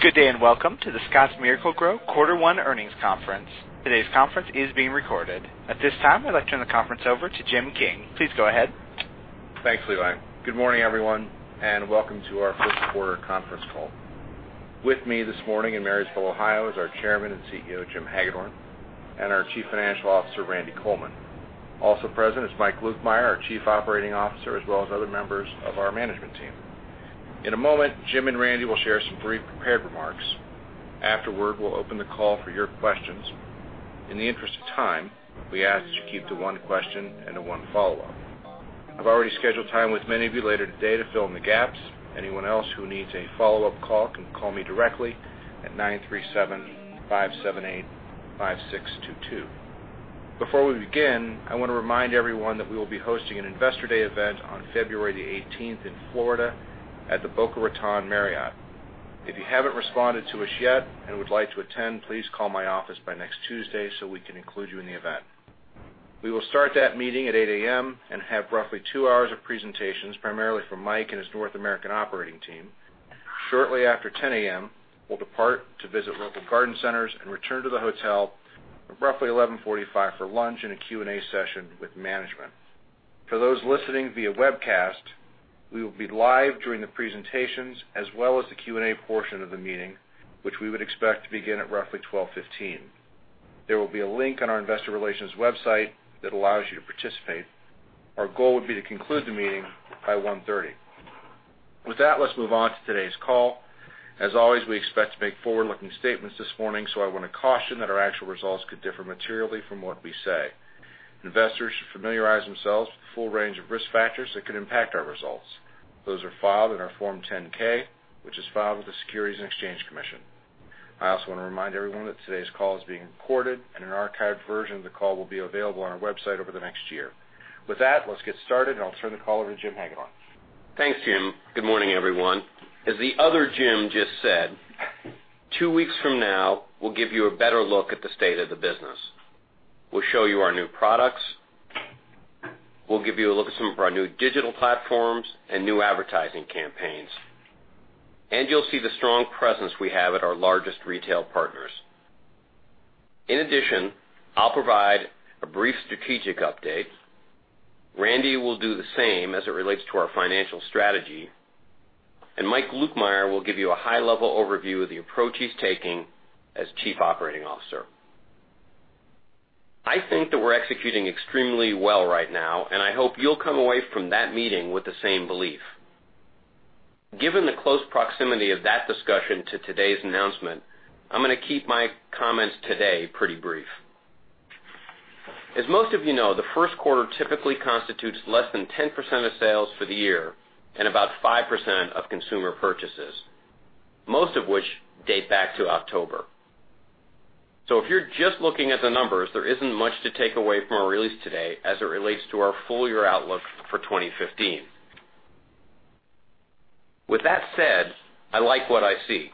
Good day. Welcome to the Scotts Miracle-Gro Quarter One Earnings Conference. Today's conference is being recorded. At this time, I'd like to turn the conference over to Jim King. Please go ahead. Thanks, Levi. Good morning, everyone, welcome to our first quarter conference call. With me this morning in Marysville, Ohio is our Chairman and CEO, Jim Hagedorn, and our Chief Financial Officer, Randy Coleman. Also present is Mike Lukemire, our Chief Operating Officer, as well as other members of our management team. In a moment, Jim and Randy will share some brief prepared remarks. Afterward, we'll open the call for your questions. In the interest of time, we ask that you keep to one question and to one follow-up. I've already scheduled time with many of you later today to fill in the gaps. Anyone else who needs a follow-up call can call me directly at 937-578-5622. Before we begin, I want to remind everyone that we will be hosting an investor day event on February 18th in Florida at the Boca Raton Marriott. If you haven't responded to us yet and would like to attend, please call my office by next Tuesday so we can include you in the event. We will start that meeting at 8:00 A.M. and have roughly two hours of presentations, primarily from Mike and his North American operating team. Shortly after 10:00 A.M., we'll depart to visit local garden centers and return to the hotel at roughly 11:45 for lunch and a Q&A session with management. For those listening via webcast, we will be live during the presentations as well as the Q&A portion of the meeting, which we would expect to begin at roughly 12:15. There will be a link on our investor relations website that allows you to participate. Our goal would be to conclude the meeting by 1:30. With that, let's move on to today's call. As always, we expect to make forward-looking statements this morning. I want to caution that our actual results could differ materially from what we say. Investors should familiarize themselves with the full range of risk factors that could impact our results. Those are filed in our Form 10-K, which is filed with the Securities and Exchange Commission. I also want to remind everyone that today's call is being recorded. An archived version of the call will be available on our website over the next year. With that, let's get started. I'll turn the call over to Jim Hagedorn. Thanks, Jim. Good morning, everyone. As the other Jim just said, two weeks from now, we'll give you a better look at the state of the business. We'll show you our new products. We'll give you a look at some of our new digital platforms and new advertising campaigns. You'll see the strong presence we have at our largest retail partners. In addition, I'll provide a brief strategic update. Randy will do the same as it relates to our financial strategy. Mike Lukemire will give you a high-level overview of the approach he's taking as Chief Operating Officer. I think that we're executing extremely well right now, and I hope you'll come away from that meeting with the same belief. Given the close proximity of that discussion to today's announcement, I'm going to keep my comments today pretty brief. As most of you know, the first quarter typically constitutes less than 10% of sales for the year and about 5% of consumer purchases, most of which date back to October. If you're just looking at the numbers, there isn't much to take away from our release today as it relates to our full-year outlook for 2015. With that said, I like what I see.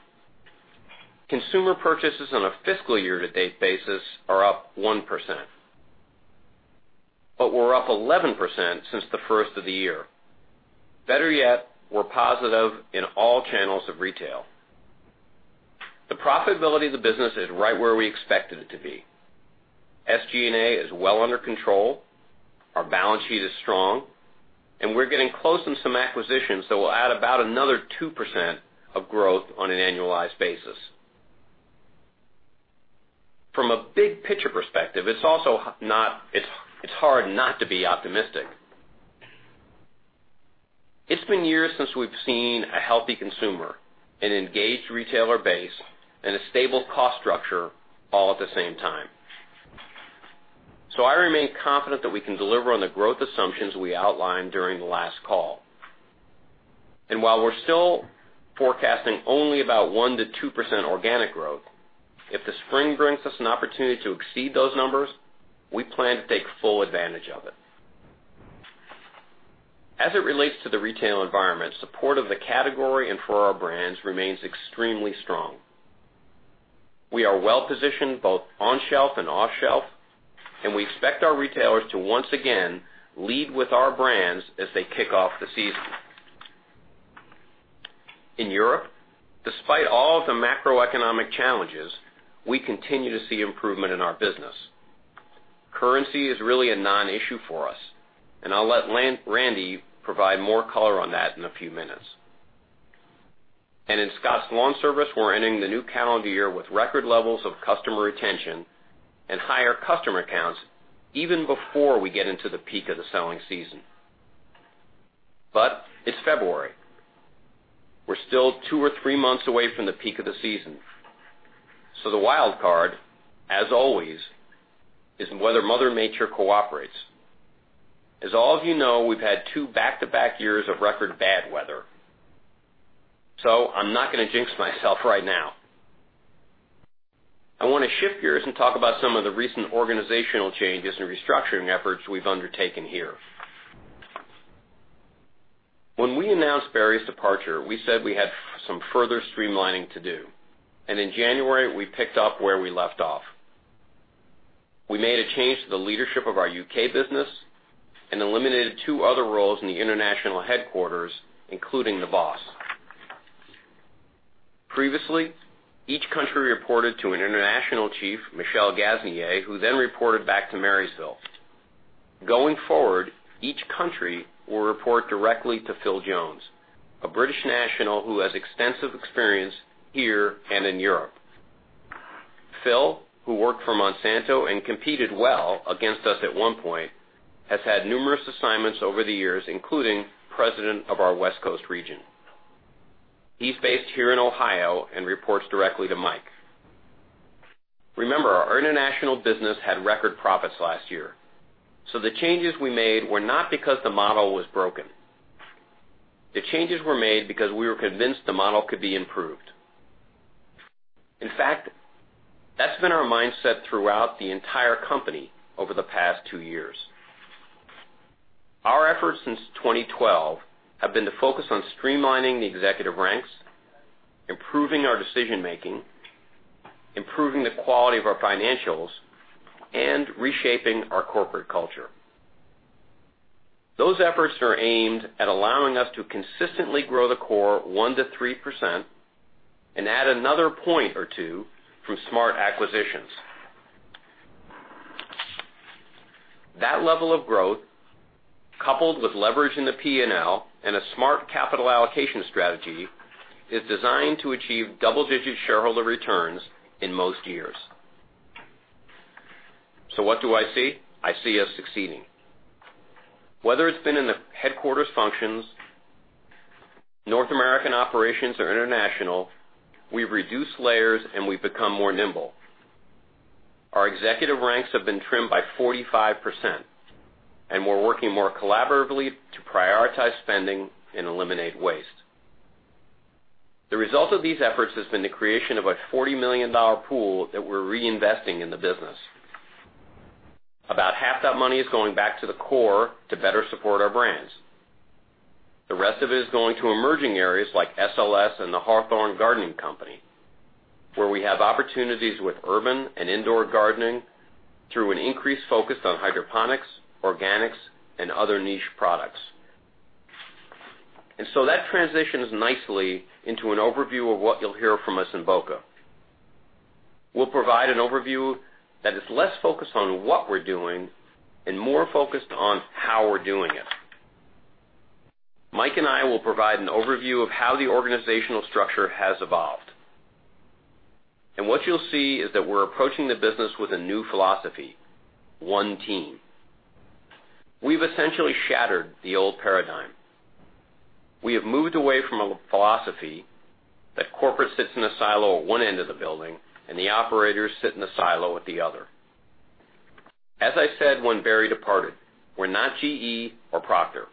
Consumer purchases on a fiscal year-to-date basis are up 1%, but we're up 11% since the first of the year. Better yet, we're positive in all channels of retail. The profitability of the business is right where we expected it to be. SG&A is well under control. Our balance sheet is strong, and we're getting close on some acquisitions that will add about another 2% of growth on an annualized basis. From a big-picture perspective, it's hard not to be optimistic. It's been years since we've seen a healthy consumer, an engaged retailer base, and a stable cost structure all at the same time. I remain confident that we can deliver on the growth assumptions we outlined during the last call. While we're still forecasting only about 1%-2% organic growth, if the spring brings us an opportunity to exceed those numbers, we plan to take full advantage of it. As it relates to the retail environment, support of the category and for our brands remains extremely strong. We are well positioned both on shelf and off shelf, we expect our retailers to once again lead with our brands as they kick off the season. In Europe, despite all of the macroeconomic challenges, we continue to see improvement in our business. Currency is really a non-issue for us, I'll let Randy provide more color on that in a few minutes. In Scotts LawnService, we're ending the new calendar year with record levels of customer retention and higher customer counts even before we get into the peak of the selling season. It's February. We're still two or three months away from the peak of the season. The wild card, as always, is whether Mother Nature cooperates. As all of you know, we've had two back-to-back years of record bad weather. I'm not going to jinx myself right now. I want to shift gears and talk about some of the recent organizational changes and restructuring efforts we've undertaken here. When we announced Barry's departure, we said we had some further streamlining to do, in January, we picked up where we left off. We made a change to the leadership of our U.K. business and eliminated two other roles in the international headquarters, including the boss. Previously, each country reported to an international chief, Michel Gasnier, who then reported back to Marysville. Going forward, each country will report directly to Phil Jones, a British national who has extensive experience here and in Europe. Phil, who worked for Monsanto and competed well against us at one point, has had numerous assignments over the years, including president of our West Coast region. He's based here in Ohio and reports directly to Mike. Remember, our international business had record profits last year. The changes we made were not because the model was broken. The changes were made because we were convinced the model could be improved. In fact, that's been our mindset throughout the entire company over the past two years. Our efforts since 2012 have been to focus on streamlining the executive ranks, improving our decision-making, improving the quality of our financials, and reshaping our corporate culture. Those efforts are aimed at allowing us to consistently grow the core 1%-3% and add another point or two through smart acquisitions. That level of growth, coupled with leverage in the P&L and a smart capital allocation strategy, is designed to achieve double-digit shareholder returns in most years. What do I see? I see us succeeding. Whether it's been in the headquarters functions, North American operations, or international, we've reduced layers, and we've become more nimble. Our executive ranks have been trimmed by 45%, and we're working more collaboratively to prioritize spending and eliminate waste. The result of these efforts has been the creation of a $40 million pool that we're reinvesting in the business. About half that money is going back to the core to better support our brands. The rest of it is going to emerging areas like SLS and the Hawthorne Gardening Company, where we have opportunities with urban and indoor gardening through an increased focus on hydroponics, organics, and other niche products. That transitions nicely into an overview of what you'll hear from us in Boca. We'll provide an overview that is less focused on what we're doing and more focused on how we're doing it. Mike and I will provide an overview of how the organizational structure has evolved. What you'll see is that we're approaching the business with a new philosophy, one team. We've essentially shattered the old paradigm. We have moved away from a philosophy that corporate sits in a silo at one end of the building, and the operators sit in a silo at the other. As I said when Barry departed, we're not GE or Procter.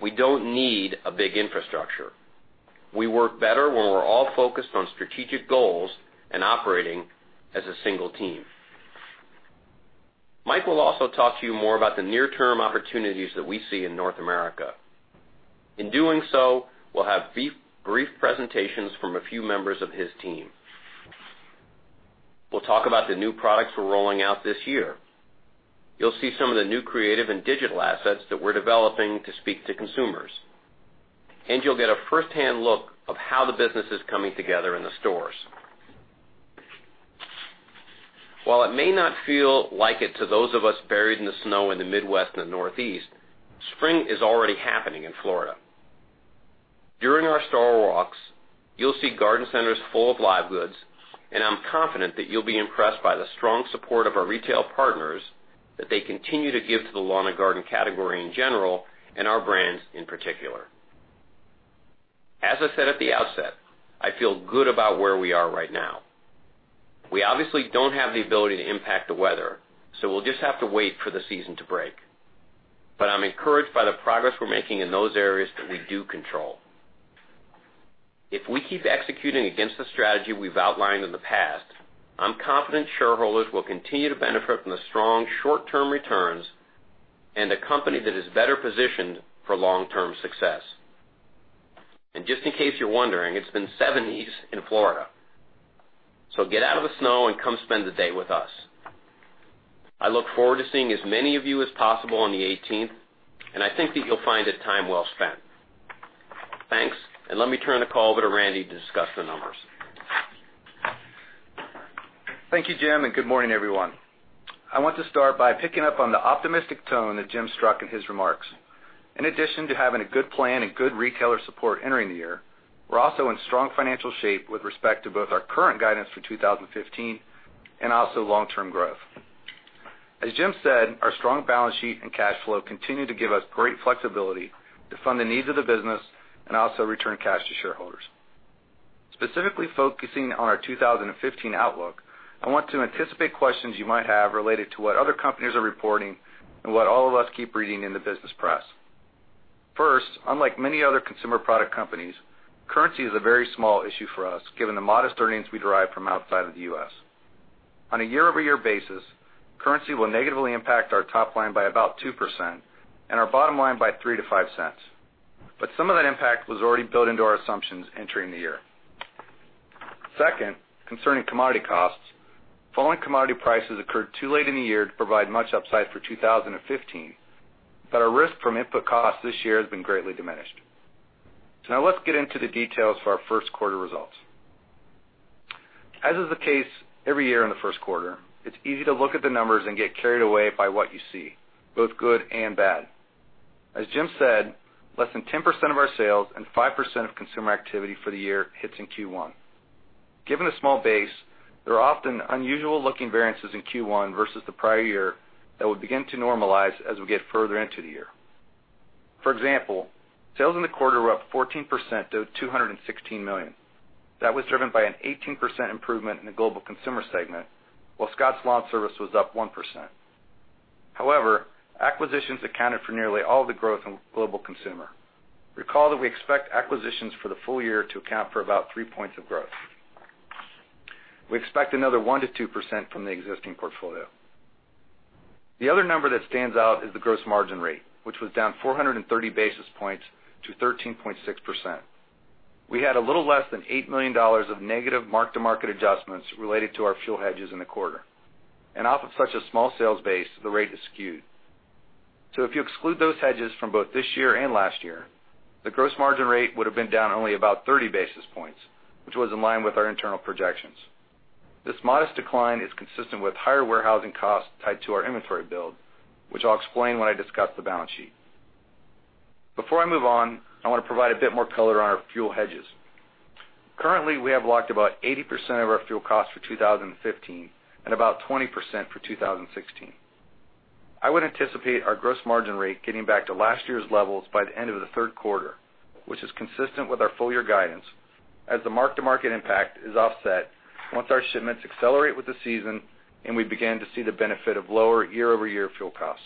We don't need a big infrastructure. We work better when we're all focused on strategic goals and operating as a single team. Mike will also talk to you more about the near-term opportunities that we see in North America. In doing so, we'll have brief presentations from a few members of his team. We'll talk about the new products we're rolling out this year. You'll see some of the new creative and digital assets that we're developing to speak to consumers. You'll get a first-hand look of how the business is coming together in the stores. While it may not feel like it to those of us buried in the snow in the Midwest and the Northeast, spring is already happening in Florida. During our store walks, you'll see garden centers full of live goods, and I'm confident that you'll be impressed by the strong support of our retail partners that they continue to give to the lawn and garden category in general and our brands in particular. As I said at the outset, I feel good about where we are right now. We obviously don't have the ability to impact the weather, we'll just have to wait for the season to break. I'm encouraged by the progress we're making in those areas that we do control. If we keep executing against the strategy we've outlined in the past, I'm confident shareholders will continue to benefit from the strong short-term returns and a company that is better positioned for long-term success. Just in case you're wondering, it's been 70s in Florida. Get out of the snow and come spend the day with us. I look forward to seeing as many of you as possible on the 18th, I think that you'll find it time well spent. Thanks, let me turn the call over to Randy to discuss the numbers. Thank you, Jim, good morning, everyone. I want to start by picking up on the optimistic tone that Jim struck in his remarks. In addition to having a good plan and good retailer support entering the year, we're also in strong financial shape with respect to both our current guidance for 2015 and also long-term growth. As Jim said, our strong balance sheet and cash flow continue to give us great flexibility to fund the needs of the business and also return cash to shareholders. Specifically focusing on our 2015 outlook, I want to anticipate questions you might have related to what other companies are reporting and what all of us keep reading in the business press. First, unlike many other consumer product companies, currency is a very small issue for us, given the modest earnings we derive from outside of the U.S. On a year-over-year basis, currency will negatively impact our top line by about 2% and our bottom line by $0.03-$0.05. Some of that impact was already built into our assumptions entering the year. Second, concerning commodity costs, falling commodity prices occurred too late in the year to provide much upside for 2015, our risk from input costs this year has been greatly diminished. Now let's get into the details for our first quarter results. As is the case every year in the first quarter, it's easy to look at the numbers and get carried away by what you see, both good and bad. As Jim said, less than 10% of our sales and 5% of consumer activity for the year hits in Q1. Given a small base, there are often unusual-looking variances in Q1 versus the prior year that will begin to normalize as we get further into the year. For example, sales in the quarter were up 14% to $216 million. That was driven by an 18% improvement in the global consumer segment, while Scotts LawnService was up 1%. Acquisitions accounted for nearly all the growth in global consumer. Recall that we expect acquisitions for the full year to account for about three points of growth. We expect another 1%-2% from the existing portfolio. The other number that stands out is the gross margin rate, which was down 430 basis points to 13.6%. We had a little less than $8 million of negative mark-to-market adjustments related to our fuel hedges in the quarter. Off of such a small sales base, the rate is skewed. If you exclude those hedges from both this year and last year, the gross margin rate would have been down only about 30 basis points, which was in line with our internal projections. This modest decline is consistent with higher warehousing costs tied to our inventory build, which I'll explain when I discuss the balance sheet. Before I move on, I want to provide a bit more color on our fuel hedges. Currently, we have locked about 80% of our fuel costs for 2015 and about 20% for 2016. I would anticipate our gross margin rate getting back to last year's levels by the end of the third quarter, which is consistent with our full-year guidance as the mark-to-market impact is offset once our shipments accelerate with the season and we begin to see the benefit of lower year-over-year fuel costs.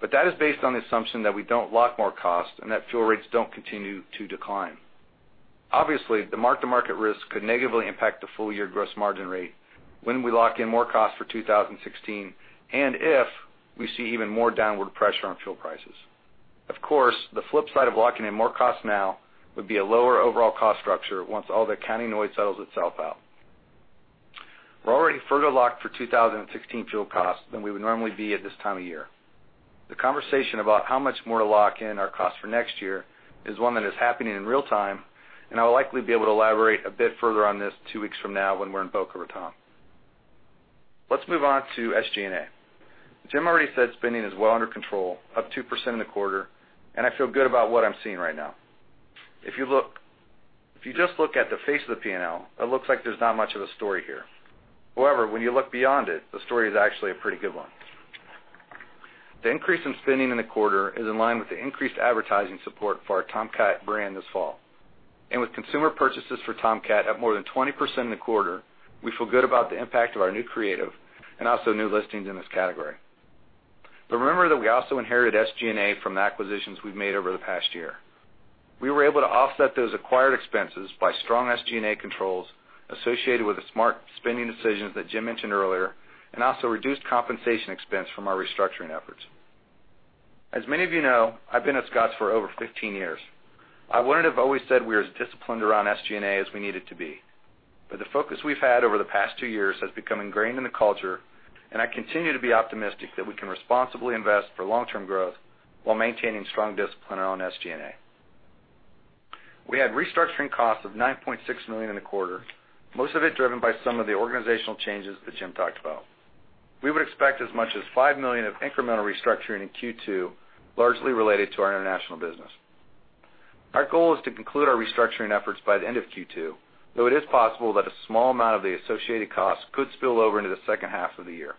That is based on the assumption that we don't lock more costs and that fuel rates don't continue to decline. Obviously, the mark-to-market risk could negatively impact the full-year gross margin rate when we lock in more costs for 2016 and if we see even more downward pressure on fuel prices. Of course, the flip side of locking in more costs now would be a lower overall cost structure once all the accounting noise settles itself out. We're already further locked for 2016 fuel costs than we would normally be at this time of year. The conversation about how much more to lock in our costs for next year is one that is happening in real time, and I will likely be able to elaborate a bit further on this two weeks from now when we're in Boca Raton. Let's move on to SG&A. Jim already said spending is well under control, up 2% in the quarter, and I feel good about what I'm seeing right now. If you just look at the face of the P&L, it looks like there's not much of a story here. However, when you look beyond it, the story is actually a pretty good one. The increase in spending in the quarter is in line with the increased advertising support for our Tomcat brand this fall. With consumer purchases for Tomcat up more than 20% in the quarter, we feel good about the impact of our new creative and also new listings in this category. Remember that we also inherited SG&A from the acquisitions we've made over the past year. We were able to offset those acquired expenses by strong SG&A controls associated with the smart spending decisions that Jim mentioned earlier, and also reduced compensation expense from our restructuring efforts. As many of you know, I've been at Scotts for over 15 years. I wouldn't have always said we were as disciplined around SG&A as we needed to be. The focus we've had over the past two years has become ingrained in the culture, and I continue to be optimistic that we can responsibly invest for long-term growth while maintaining strong discipline on SG&A. We had restructuring costs of $9.6 million in the quarter, most of it driven by some of the organizational changes that Jim talked about. We would expect as much as $5 million of incremental restructuring in Q2, largely related to our international business. Our goal is to conclude our restructuring efforts by the end of Q2, though it is possible that a small amount of the associated costs could spill over into the second half of the year.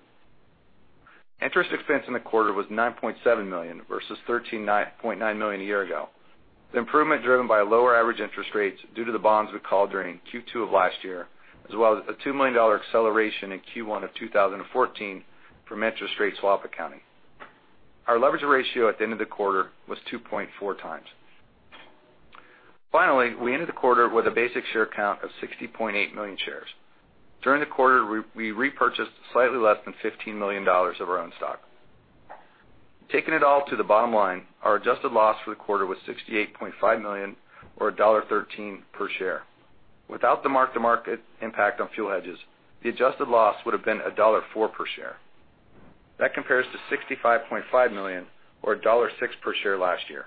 Interest expense in the quarter was $9.7 million versus $13.9 million a year ago. The improvement driven by lower average interest rates due to the bonds we called during Q2 of last year, as well as a $2 million acceleration in Q1 of 2014 from interest rate swap accounting. Our leverage ratio at the end of the quarter was 2.4 times. Finally, we ended the quarter with a basic share count of 60.8 million shares. During the quarter, we repurchased slightly less than $15 million of our own stock. Taking it all to the bottom line, our adjusted loss for the quarter was $68.5 million or $1.13 per share. Without the mark-to-market impact on fuel hedges, the adjusted loss would have been $1.04 per share. That compares to $65.5 million or $1.06 per share last year.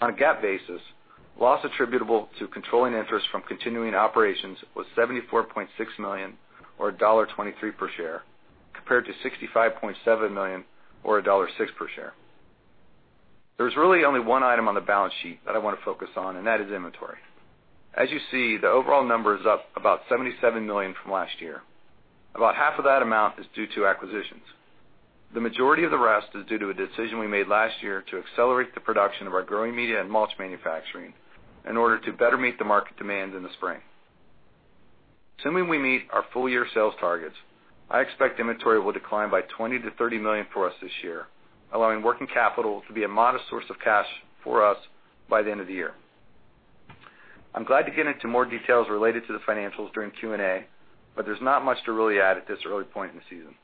On a GAAP basis, loss attributable to controlling interest from continuing operations was $74.6 million or $1.23 per share, compared to $65.7 million or $1.06 per share. There's really only one item on the balance sheet that I want to focus on, and that is inventory. As you see, the overall number is up about $77 million from last year. About half of that amount is due to acquisitions. The majority of the rest is due to a decision we made last year to accelerate the production of our growing media and mulch manufacturing in order to better meet the market demand in the spring. Assuming we meet our full-year sales targets, I expect inventory will decline by $20 million-$30 million for us this year, allowing working capital to be a modest source of cash for us by the end of the year. I'm glad to get into more details related to the financials during Q&A, but there's not much to really add at this early point in the season.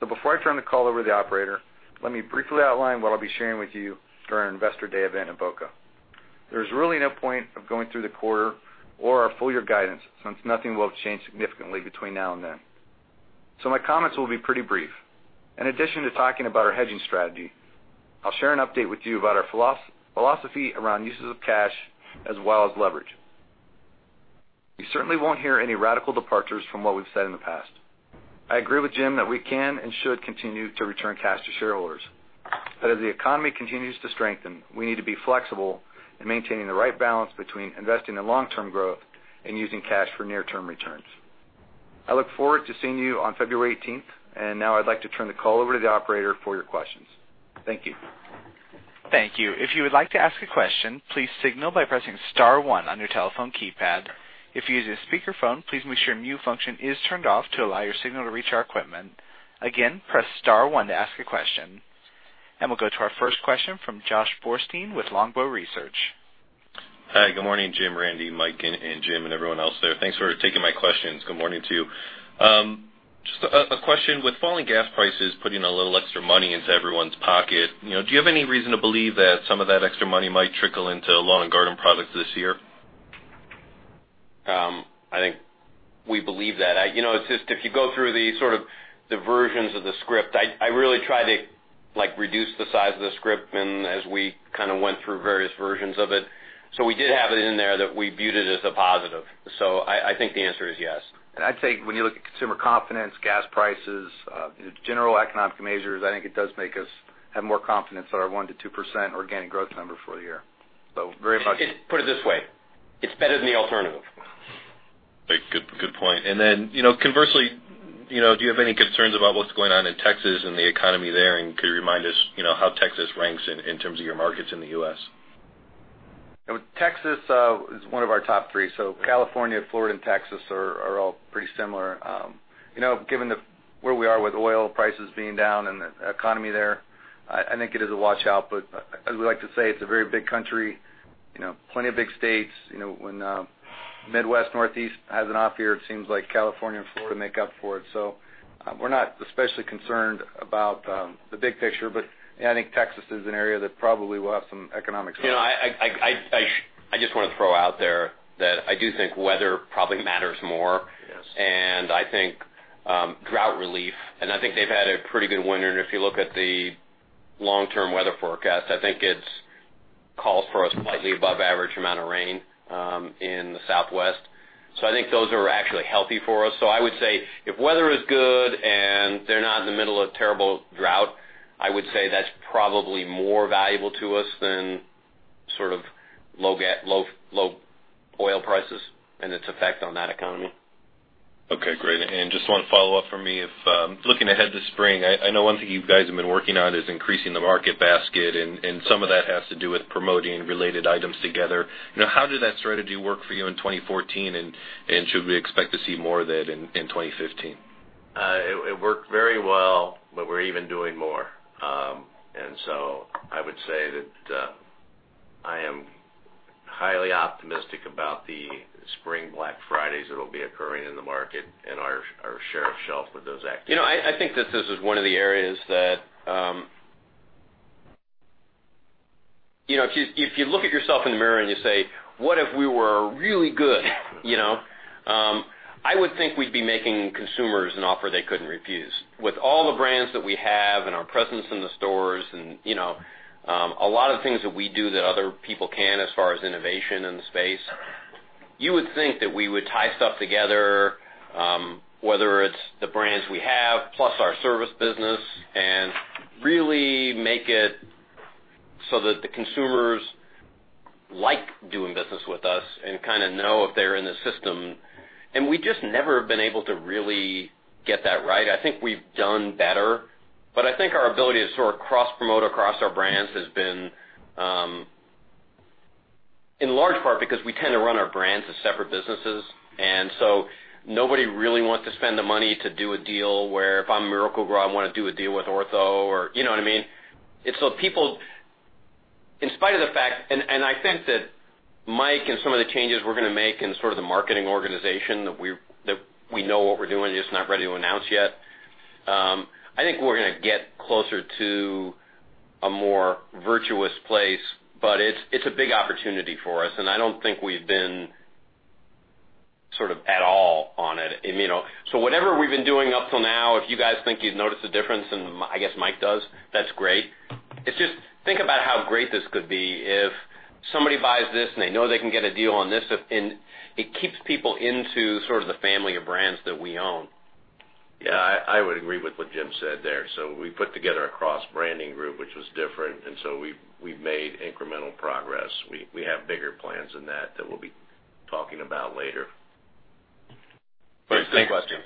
Before I turn the call over to the operator, let me briefly outline what I'll be sharing with you during our Investor Day event in Boca. There's really no point of going through the quarter or our full-year guidance, since nothing will have changed significantly between now and then. My comments will be pretty brief. In addition to talking about our hedging strategy, I'll share an update with you about our philosophy around uses of cash as well as leverage. You certainly won't hear any radical departures from what we've said in the past. I agree with Jim that we can and should continue to return cash to shareholders. As the economy continues to strengthen, we need to be flexible in maintaining the right balance between investing in long-term growth and using cash for near-term returns. I look forward to seeing you on February 18th. Now I'd like to turn the call over to the operator for your questions. Thank you. Thank you. If you would like to ask a question, please signal by pressing star 1 on your telephone keypad. If you're using a speakerphone, please make sure mute function is turned off to allow your signal to reach our equipment. Again, press star 1 to ask a question. We'll go to our first question from Joshua Borstein with Longbow Research. Hi, good morning, Jim, Randy, Mike, and Jim, and everyone else there. Thanks for taking my questions. Good morning to you. Just a question, with falling gas prices putting a little extra money into everyone's pocket, do you have any reason to believe that some of that extra money might trickle into lawn and garden products this year? I think we believe that. If you go through the versions of the script, I really try to reduce the size of the script and as we went through various versions of it. We did have it in there that we viewed it as a positive. I think the answer is yes. I'd say when you look at consumer confidence, gas prices, general economic measures, I think it does make us have more confidence that our 1%-2% organic growth number for the year. Very much. Put it this way. It's better than the alternative. Great. Good point. Then conversely, do you have any concerns about what's going on in Texas and the economy there? Could you remind us how Texas ranks in terms of your markets in the U.S.? Texas is one of our top three, so California, Florida, and Texas are all pretty similar. Given where we are with oil prices being down and the economy there, I think it is a watch-out. As we like to say, it's a very big country, plenty of big states. When Midwest, Northeast has an off year, it seems like California and Florida make up for it. We're not especially concerned about the big picture. I think Texas is an area that probably will have some economic struggles. I just want to throw out there that I do think weather probably matters more. Yes. I think drought relief. I think they've had a pretty good winter. If you look at the long-term weather forecast, I think it calls for a slightly above average amount of rain in the Southwest. I think those are actually healthy for us. I would say if weather is good and they're not in the middle of terrible drought, I would say that's probably more valuable to us than low oil prices and its effect on that economy. Okay, great. Just one follow-up from me. Looking ahead to spring, I know one thing you guys have been working on is increasing the market basket, and some of that has to do with promoting related items together. How did that strategy work for you in 2014, and should we expect to see more of that in 2015? It worked very well, we're even doing more. I would say that I am highly optimistic about the spring Black Fridays that'll be occurring in the market and our share of shelf with those activities. I think that this is one of the areas that if you look at yourself in the mirror and you say, "What if we were really good?" I would think we'd be making consumers an offer they couldn't refuse. With all the brands that we have and our presence in the stores and a lot of things that we do that other people can't as far as innovation in the space, you would think that we would tie stuff together, whether it's the brands we have, plus our service business, and really make it so that the consumers like doing business with us and kind of know if they're in the system. We just never have been able to really get that right. I think we've done better, but I think our ability to sort of cross-promote across our brands has been in large part because we tend to run our brands as separate businesses. Nobody really wants to spend the money to do a deal where if I'm Miracle-Gro, I want to do a deal with Ortho or you know what I mean? In spite of the fact, I think that Mike and some of the changes we're going to make in sort of the marketing organization that we know what we're doing and just not ready to announce yet. I think we're going to get closer to a more virtuous place, but it's a big opportunity for us, and I don't think we've been sort of at all on it. Whatever we've been doing up till now, if you guys think you've noticed a difference, and I guess Mike does, that's great. It's just think about how great this could be if somebody buys this, and they know they can get a deal on this, and it keeps people into sort of the family of brands that we own. Yeah, I would agree with what Jim said there. We put together a cross-branding group, which was different, we've made incremental progress. We have bigger plans than that that we'll be talking about later. Thanks. Great question.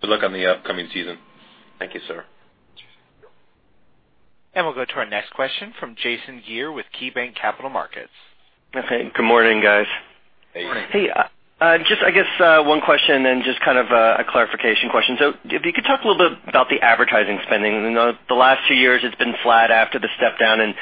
Good luck on the upcoming season. Thank you, sir. We'll go to our next question from Jason Gere with KeyBanc Capital Markets. Okay. Good morning, guys. Hey. Morning. Hey. Just I guess one question and just kind of a clarification question. If you could talk a little bit about the advertising spending. The last two years, it's been flat after the step down in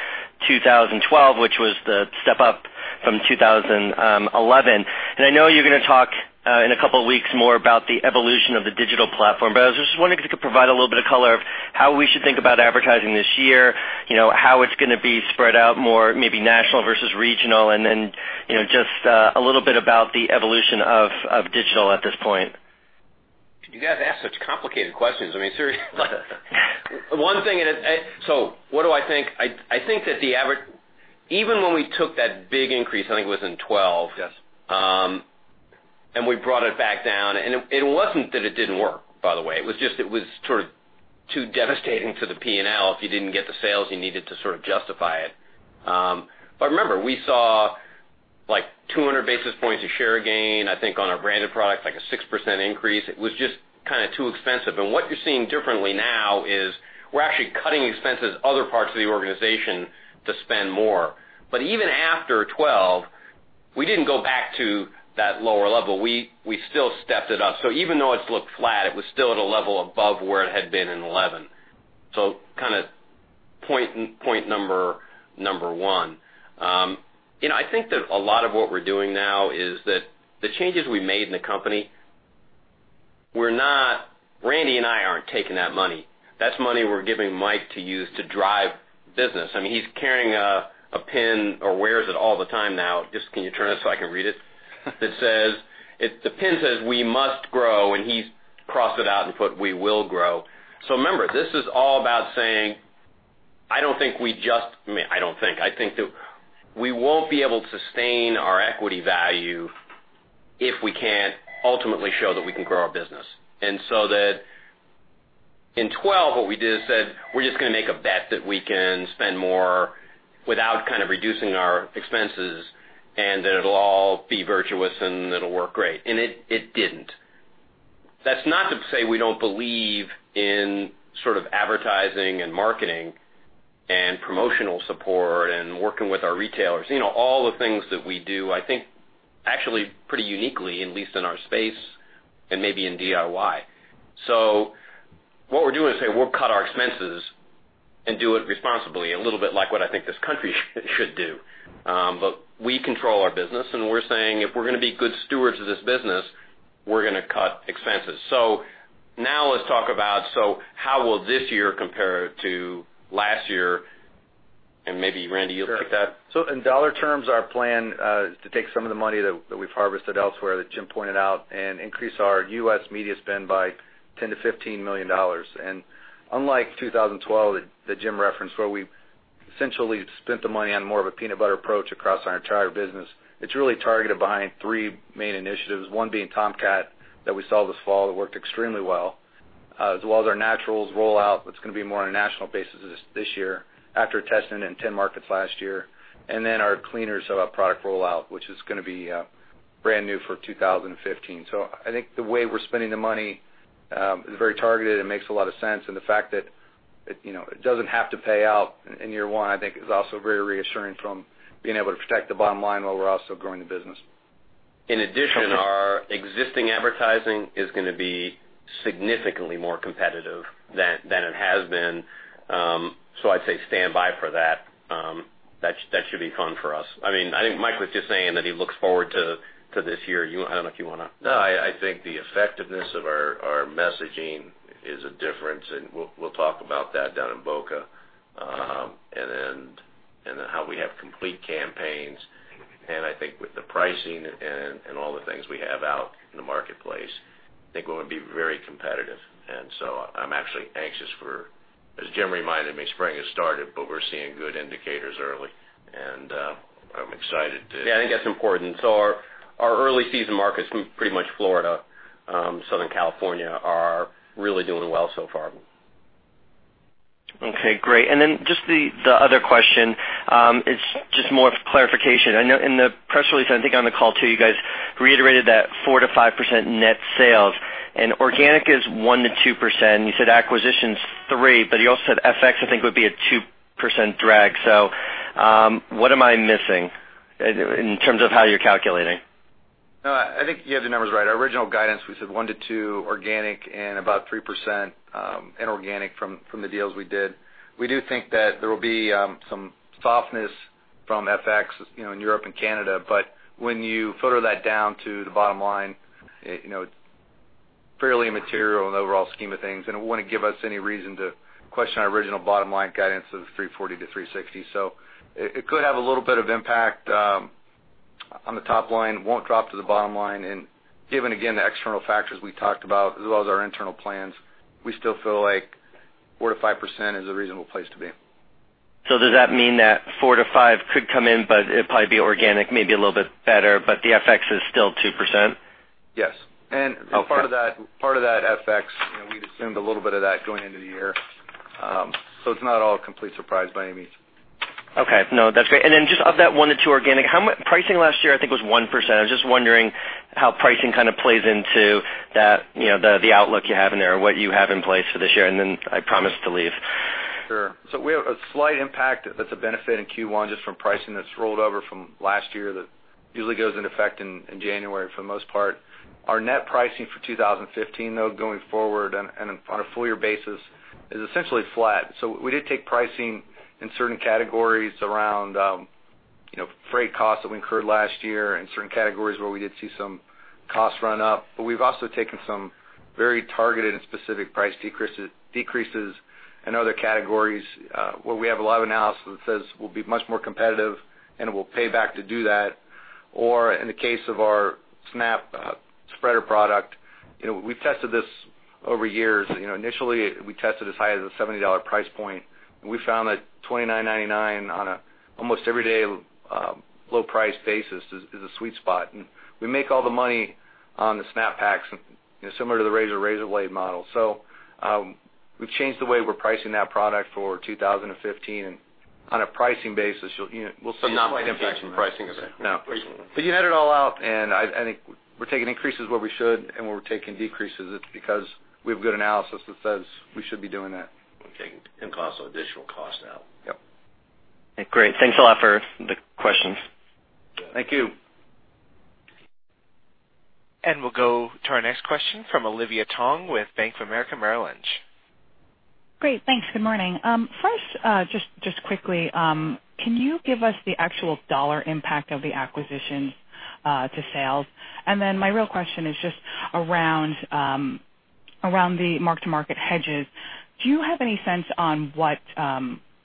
2012, which was the step up From 2011. I know you're going to talk in a couple of weeks more about the evolution of the digital platform, but I was just wondering if you could provide a little bit of color of how we should think about advertising this year, how it's going to be spread out more, maybe national versus regional, and then just a little bit about the evolution of digital at this point. You guys ask such complicated questions. I mean, seriously. One thing, what do I think? I think that even when we took that big increase, I think it was in 2012. Yes We brought it back down, and it wasn't that it didn't work, by the way. It was just that it was sort of too devastating to the P&L if you didn't get the sales you needed to sort of justify it. Remember, we saw like 200 basis points of share gain, I think, on our branded product, like a 6% increase. It was just kind of too expensive. What you're seeing differently now is we're actually cutting expenses, other parts of the organization to spend more. Even after 2012, we didn't go back to that lower level. We still stepped it up. Even though it's looked flat, it was still at a level above where it had been in 2011. Kind of point number one. I think that a lot of what we're doing now is that the changes we made in the company, Randy and I aren't taking that money. That's money we're giving Mike to use to drive business. He's carrying a pin, or wears it all the time now. Just, can you turn it so I can read it? The pin says, "We must grow," and he's crossed it out and put, "We will grow." Remember, this is all about saying, I don't think. I think that we won't be able to sustain our equity value if we can't ultimately show that we can grow our business. In 2012, what we did is said, "We're just going to make a bet that we can spend more without kind of reducing our expenses, and that it'll all be virtuous, and it'll work great." It didn't. That's not to say we don't believe in sort of advertising and marketing and promotional support and working with our retailers. All the things that we do, I think, actually pretty uniquely, at least in our space and maybe in DIY. What we're doing is saying, "We'll cut our expenses and do it responsibly," a little bit like what I think this country should do. We control our business, and we're saying, "If we're going to be good stewards of this business, we're going to cut expenses." Now let's talk about how will this year compare to last year? Maybe Randy, you'll take that. Sure. In dollar terms, our plan is to take some of the money that we've harvested elsewhere, that Jim pointed out, and increase our U.S. media spend by $10 million-$15 million. Unlike 2012, that Jim referenced, where we essentially spent the money on more of a peanut butter approach across our entire business, it's really targeted behind three main initiatives, one being Tomcat that we saw this fall that worked extremely well. As well as our Nature's Care rollout that's going to be more on a national basis this year after testing it in 10 markets last year. Then our Scotts Outdoor Cleaner product rollout, which is going to be brand new for 2015. I think the way we're spending the money is very targeted and makes a lot of sense, and the fact that it doesn't have to pay out in year one, I think, is also very reassuring from being able to protect the bottom line while we're also growing the business. Our existing advertising is going to be significantly more competitive than it has been. I'd say stand by for that. That should be fun for us. I think Mike was just saying that he looks forward to this year. I don't know if you want to No, I think the effectiveness of our messaging is a difference, and we'll talk about that down in Boca. How we have complete campaigns, and I think with the pricing and all the things we have out in the marketplace, I think we're going to be very competitive. I'm actually anxious for, as Jim reminded me, spring has started, but we're seeing good indicators early. I'm excited to. Yeah, I think that's important. Our early season markets, pretty much Florida, Southern California, are really doing well so far. Okay, great. Just the other question, it's just more of clarification. I know in the press release, and I think on the call too, you guys reiterated that 4%-5% net sales and organic is 1%-2%. You said acquisition's 3%, but you also said FX, I think, would be a 2% drag. What am I missing in terms of how you're calculating? No, I think you have the numbers right. Our original guidance, we said 1%-2% organic and about 3% inorganic from the deals we did. We do think that there will be some softness from FX in Europe and Canada, but when you flow that down to the bottom line, it's fairly immaterial in the overall scheme of things, and it wouldn't give us any reason to question our original bottom-line guidance of $340-$360. It could have a little bit of impact on the top line. Won't drop to the bottom line, and given again, the external factors we talked about as well as our internal plans, we still feel like 4%-5% is a reasonable place to be. Does that mean that 4%-5% could come in, but it'd probably be organic, maybe a little bit better, but the FX is still 2%? Yes. Okay. Part of that FX, we'd assumed a little bit of that going into the year. It's not all a complete surprise by any means. Okay. No, that's great. Just of that 1%-2% organic, pricing last year, I think, was 1%. I was just wondering how pricing kind of plays into the outlook you have in there or what you have in place for this year, I promise to leave. Sure. We have a slight impact that's a benefit in Q1 just from pricing that's rolled over from last year that usually goes into effect in January for the most part. Our net pricing for 2015, though, going forward and on a full year basis, is essentially flat. We did take pricing in certain categories around freight costs that we incurred last year and certain categories where we did see some costs run up, but we've also taken some very targeted and specific price decreases in other categories where we have a lot of analysis that says we'll be much more competitive and it will pay back to do that. Or in the case of our Snap spreader product, we've tested this over years. Initially, we tested as high as a $70 price point. We found that $29.99 on an almost every day low price basis is a sweet spot. We make all the money on the Snap Pacs similar to the razor blade model. We've changed the way we're pricing that product for 2015, and on a pricing basis, we'll see- You're not making pricing of it. No. You net it all out, I think we're taking increases where we should and where we're taking decreases, it's because we have good analysis that says we should be doing that. Okay. Cost, additional cost now. Yep. Great. Thanks a lot for the questions. Thank you. We'll go to our next question from Olivia Tong with Bank of America Merrill Lynch. Great. Thanks. Good morning. First, just quickly, can you give us the actual dollar impact of the acquisition to sales? My real question is just around the mark-to-market hedges. Do you have any sense on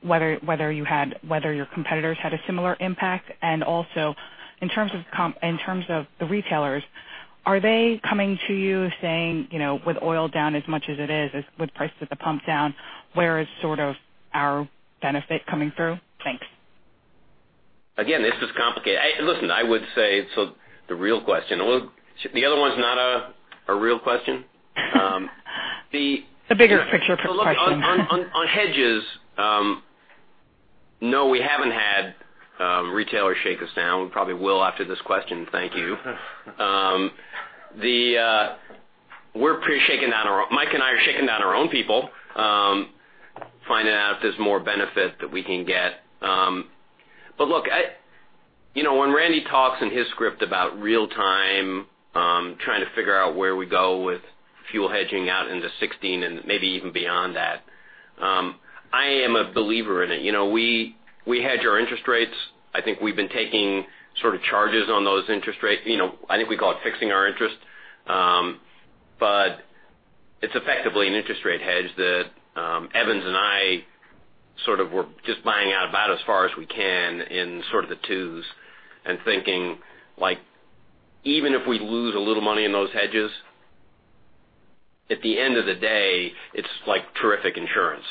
whether your competitors had a similar impact? In terms of the retailers, are they coming to you saying, with oil down as much as it is, with prices at the pump down, where is sort of our benefit coming through? Thanks. Again, this is complicated. Listen, I would say, the other one's not a real question? A bigger picture question. On hedges, no, we haven't had retailers shake us down. We probably will after this question. Thank you. Mike and I are shaking down our own people, finding out if there's more benefit that we can get. When Randy talks in his script about real-time, trying to figure out where we go with fuel hedging out into 2016 and maybe even beyond that, I am a believer in it. We hedge our interest rates. I think we've been taking sort of charges on those interest rates. I think we call it fixing our interest. It's effectively an interest rate hedge that Evans and I sort of were just buying out about as far as we can in sort of the twos and thinking, like, even if we lose a little money in those hedges, at the end of the day, it's terrific insurance.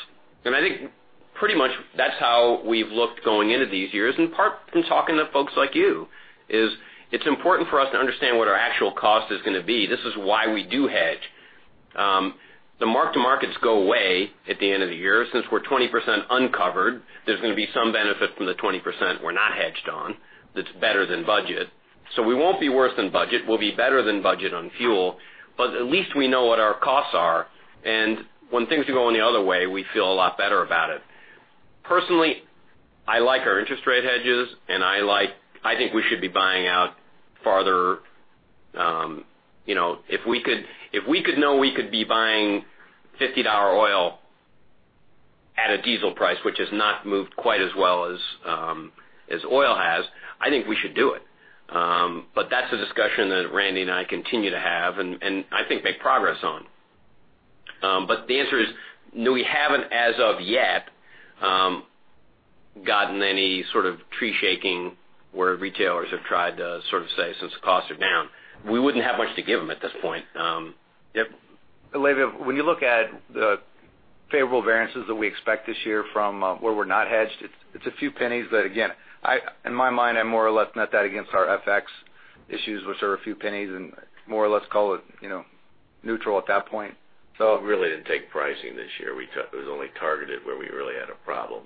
I think pretty much that's how we've looked going into these years, in part from talking to folks like you, is it's important for us to understand what our actual cost is going to be. This is why we do hedge. The mark to markets go away at the end of the year. Since we're 20% uncovered, there's going to be some benefit from the 20% we're not hedged on. That's better than budget. We won't be worse than budget. We'll be better than budget on fuel. At least we know what our costs are. When things are going the other way, we feel a lot better about it. Personally, I like our interest rate hedges, and I think we should be buying out farther. If we could know we could be buying $50 oil at a diesel price, which has not moved quite as well as oil has, I think we should do it. That's a discussion that Randy and I continue to have and I think make progress on. The answer is, no, we haven't, as of yet, gotten any sort of tree shaking where retailers have tried to sort of say, "Since the costs are down." We wouldn't have much to give them at this point. Yep. Olivia, when you look at the favorable variances that we expect this year from where we're not hedged, it's a few pennies, but again, in my mind, I more or less net that against our FX issues, which are a few pennies and more or less call it neutral at that point. We really didn't take pricing this year. It was only targeted where we really had a problem.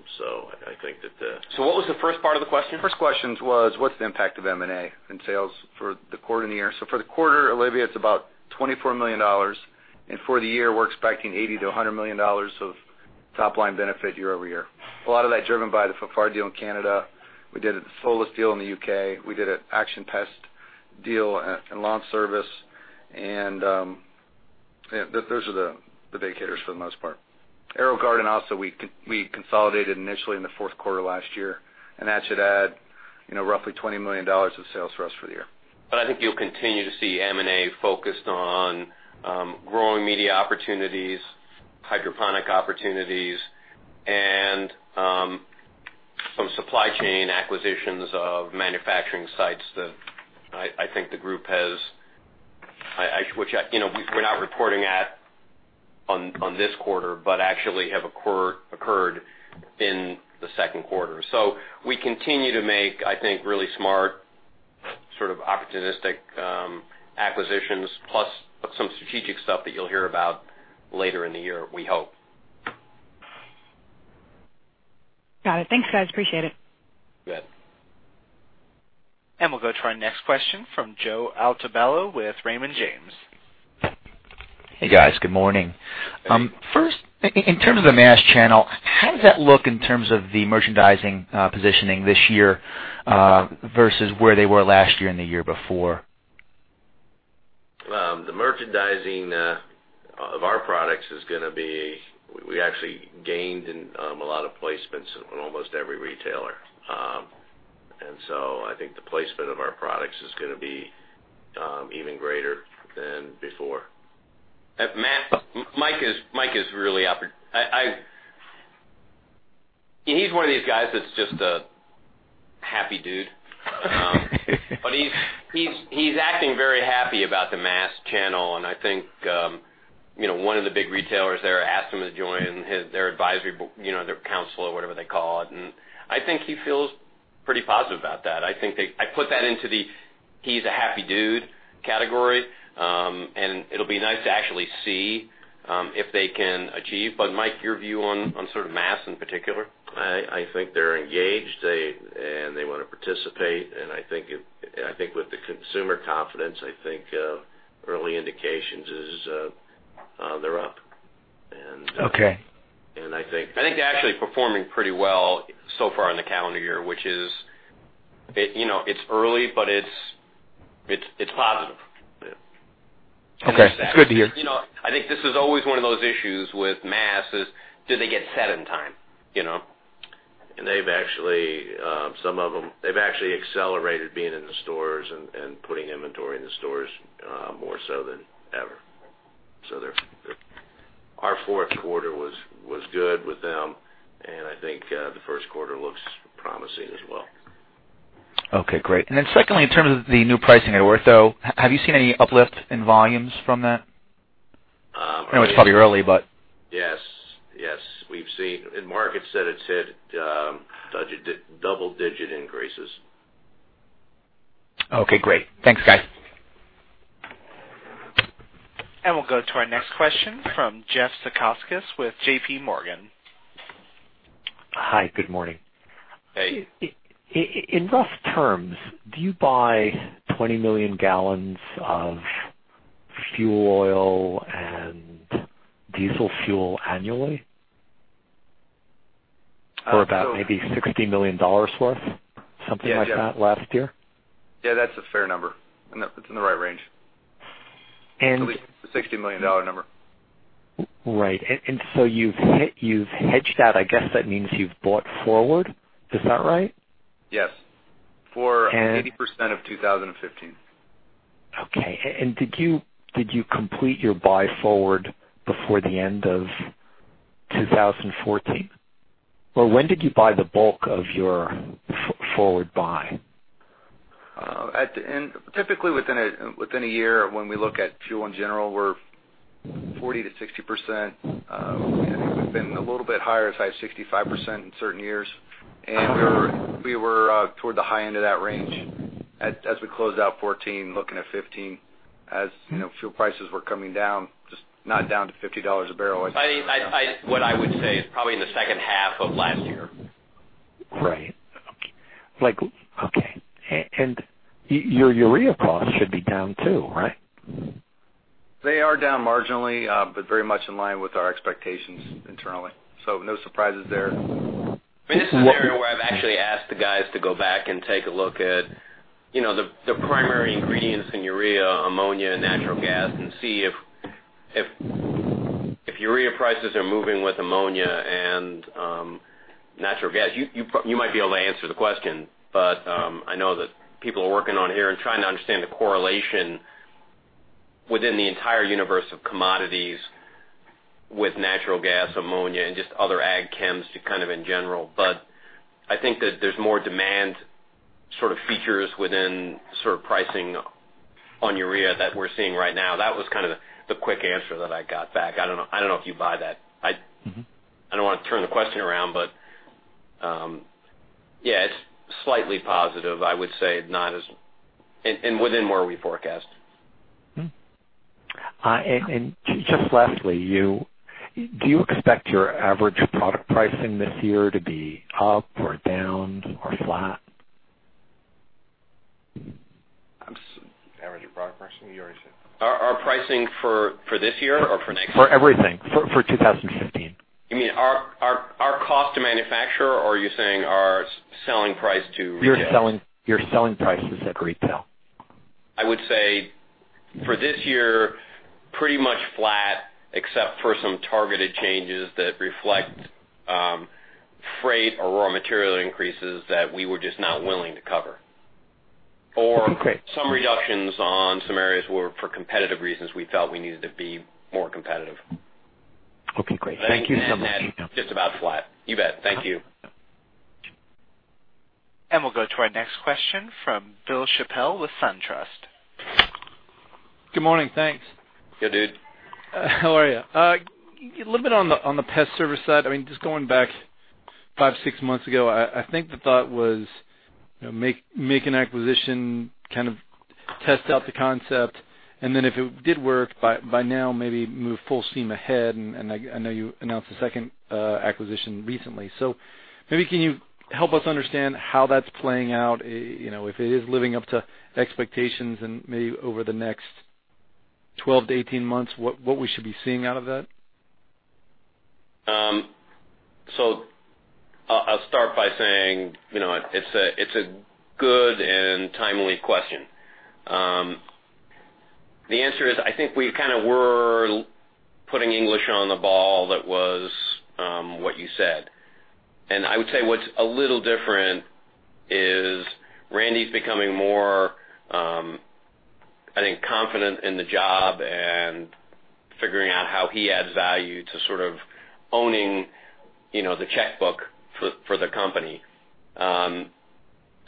I think that the What was the first part of the question? First question was, what's the impact of M&A in sales for the quarter and the year? For the quarter, Olivia, it's about $24 million. For the year, we're expecting $80 million-$100 million of top-line benefit year-over-year. A lot of that driven by the Fafard deal in Canada. We did a Solus deal in the U.K. We did an Action Pest deal in LawnService, and those are the big hitters for the most part. AeroGarden, also, we consolidated initially in the fourth quarter last year, and that should add roughly $20 million of sales for us for the year. I think you'll continue to see M&A focused on growing media opportunities, hydroponic opportunities, and some supply chain acquisitions of manufacturing sites that I think the group has, which we're not reporting at on this quarter, but actually have occurred in the second quarter. We continue to make, I think, really smart sort of opportunistic acquisitions plus some strategic stuff that you'll hear about later in the year, we hope. Got it. Thanks, guys. Appreciate it. Good. We'll go to our next question from Joseph Altobello with Raymond James. Hey, guys. Good morning. First, in terms of the mass channel, how does that look in terms of the merchandising positioning this year versus where they were last year and the year before? The merchandising of our products, we actually gained in a lot of placements in almost every retailer. So I think the placement of our products is going to be even greater than before. Matt, Mike is He's one of these guys that's just a happy dude. He's acting very happy about the mass channel, and I think one of the big retailers there asked him to join their advisory, their council or whatever they call it, and I think he feels pretty positive about that. I put that into the he's a happy dude category, and it'll be nice to actually see if they can achieve. Mike, your view on sort of mass in particular? I think they're engaged, and they want to participate. I think with the consumer confidence, I think early indications is they're up. Okay. I think I think they're actually performing pretty well so far in the calendar year, which is early, but it's positive. Okay. That's good to hear. I think this is always one of those issues with mass is, did they get set in time? Some of them, they've actually accelerated being in the stores and putting inventory in the stores more so than ever. Our fourth quarter was good with them, and I think the first quarter looks promising as well. Okay, great. Then secondly, in terms of the new pricing at Ortho, have you seen any uplift in volumes from that? Yes. We've seen, and Mark had said it's hit double-digit increases. Okay, great. Thanks, guys. We'll go to our next question from Jeffrey Zekauskas with J.P. Morgan. Hi, good morning. Hey. In rough terms, do you buy 20 million gallons of fuel oil and diesel fuel annually? About maybe $60 million worth, something like that last year? Yeah, that's a fair number. That's in the right range. And- At least the $60 million number. Right. You've hedged that. I guess that means you've bought forward. Is that right? Yes. For [80%] of 2015. Okay. Did you complete your buy forward before the end of 2014? When did you buy the bulk of your forward buy? Typically within a year, when we look at fuel in general, we're 40%-60%. I think we've been a little bit higher as high as 65% in certain years. We were toward the high end of that range as we closed out 2014, looking at 2015, as fuel prices were coming down, just not down to $50 a barrel. What I would say is probably in the second half of last year. Right. Okay. Your urea cost should be down too, right? They are down marginally, but very much in line with our expectations internally. No surprises there. This is an area where I've actually asked the guys to go back and take a look at the primary ingredients in urea, ammonia, and natural gas and see if urea prices are moving with ammonia and natural gas. You might be able to answer the question, but I know that people are working on here and trying to understand the correlation within the entire universe of commodities with natural gas, ammonia, and just other ag chems kind of in general. I think that there's more demand features within pricing on urea that we're seeing right now. That was kind of the quick answer that I got back. I don't know if you buy that. I don't want to turn the question around, but yeah, it's slightly positive, I would say, and within where we forecast. Just lastly, do you expect your average product pricing this year to be up or down or flat? Average product pricing urea sales. Our pricing for this year or for next year? For everything. For 2015. You mean our cost to manufacture, or are you saying our selling price to retail? Your selling prices at retail. I would say for this year, pretty much flat except for some targeted changes that reflect freight or raw material increases that we were just not willing to cover. Okay, great. Some reductions on some areas where for competitive reasons, we felt we needed to be more competitive. Okay, great. Thank you so much. Just about flat. You bet. Thank you. We'll go to our next question from Bill Chappell with SunTrust. Good morning. Thanks. Yeah, dude. How are you? A little bit on the pest service side, just going back five, six months ago, I think the thought was make an acquisition, kind of test out the concept, and then if it did work by now, maybe move full steam ahead. I know you announced the second acquisition recently. Maybe can you help us understand how that's playing out, if it is living up to expectations and maybe over the next 12-18 months, what we should be seeing out of that? I'll start by saying, it's a good and timely question. The answer is, I think we kind of were putting English on the ball. That was what you said. I would say what's a little different is Randy's becoming more, I think, confident in the job and figuring out how he adds value to sort of owning the checkbook for the company.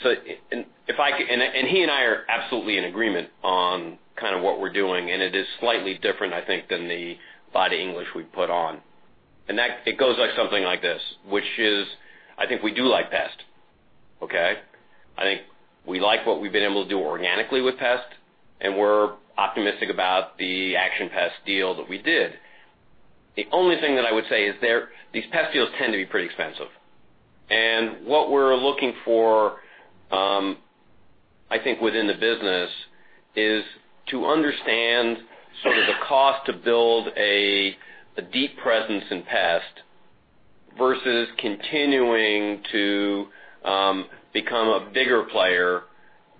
He and I are absolutely in agreement on what we're doing, and it is slightly different, I think, than the body English we put on. It goes like something like this, which is, I think we do like pest. Okay? I think we like what we've been able to do organically with pest, and we're optimistic about the Action Pest deal that we did. The only thing that I would say is these pest deals tend to be pretty expensive. What we're looking for, I think, within the business is to understand sort of the cost to build a deep presence in pest versus continuing to become a bigger player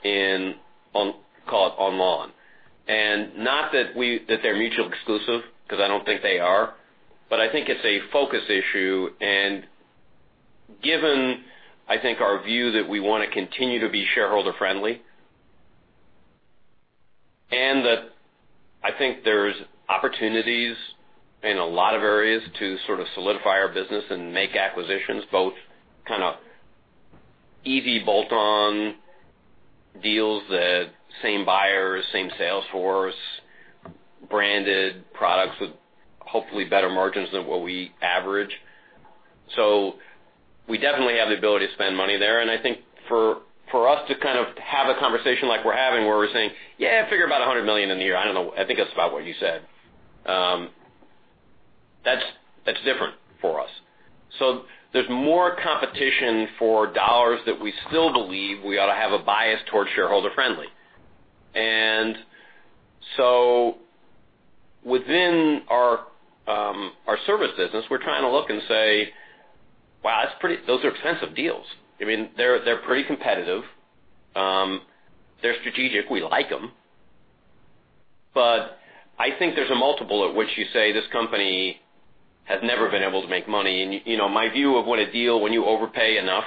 in, call it, on lawn. Not that they're mutually exclusive, because I don't think they are, but I think it's a focus issue, and given, I think our view that we want to continue to be shareholder friendly, and that I think there's opportunities in a lot of areas to sort of solidify our business and make acquisitions, both kind of easy bolt-on deals, the same buyers, same sales force, branded products with hopefully better margins than what we average. We definitely have the ability to spend money there. I think for us to kind of have a conversation like we're having where we're saying, "Yeah, figure about $100 million in the year." I don't know. There's more competition for dollars that we still believe we ought to have a bias towards shareholder friendly. Within our service business, we're trying to look and say, "Wow, those are expensive deals." They're pretty competitive. They're strategic. We like them. I think there's a multiple at which you say this company has never been able to make money. My view of what a deal, when you overpay enough,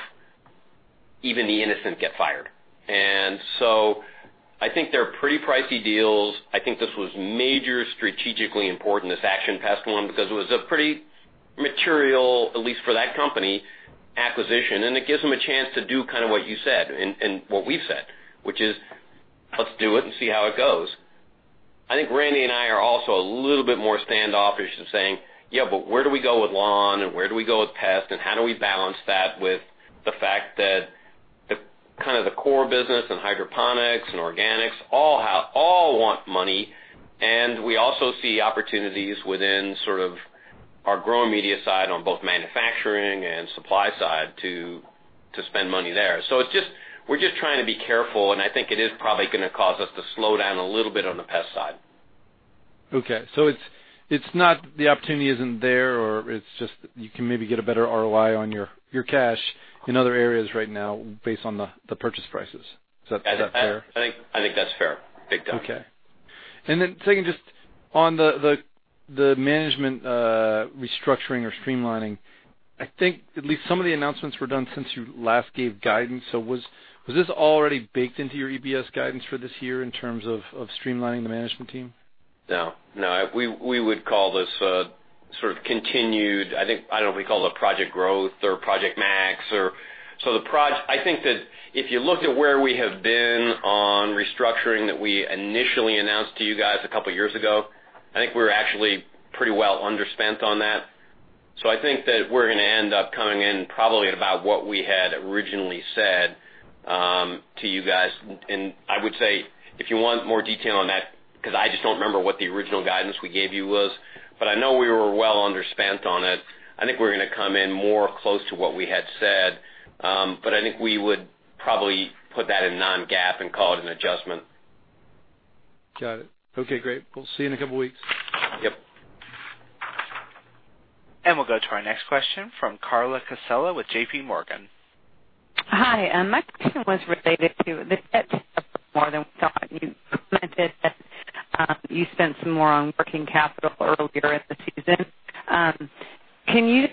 even the innocent get fired. I think they're pretty pricey deals. I think this was major strategically important, this Action Pest one, because it was a pretty material, at least for that company, acquisition, and it gives them a chance to do what you said and what we've said, which is let's do it and see how it goes. I think Randy and I are also a little bit more standoffish of saying, "Yeah, but where do we go with lawn and where do we go with pest and how do we balance that with the fact that the core business and hydroponics and organics all want money?" We also see opportunities within sort of our growing media side on both manufacturing and supply side to spend money there. We're just trying to be careful, and I think it is probably going to cause us to slow down a little bit on the pest side. Okay. It's not the opportunity isn't there or it's just you can maybe get a better ROI on your cash in other areas right now based on the purchase prices. Is that fair? I think that's fair. Big time. Second, just on the management restructuring or streamlining, I think at least some of the announcements were done since you last gave guidance. Was this already baked into your EPS guidance for this year in terms of streamlining the management team? No. We would call this a sort of continued, I think, I don't know if we call it project growth or project max. I think that if you look at where we have been on restructuring that we initially announced to you guys a couple of years ago, I think we're actually pretty well under spent on that. I think that we're going to end up coming in probably at about what we had originally said to you guys. I would say, if you want more detail on that, because I just don't remember what the original guidance we gave you was, but I know we were well under spent on it. I think we're going to come in more close to what we had said. I think we would probably put that in non-GAAP and call it an adjustment. Got it. Okay, great. We'll see you in a couple of weeks. Yep. We'll go to our next question from Carla Casella with J.P. Morgan. Hi. My question was related to the more than we thought. You commented that you spent some more on working capital earlier in the season. Can you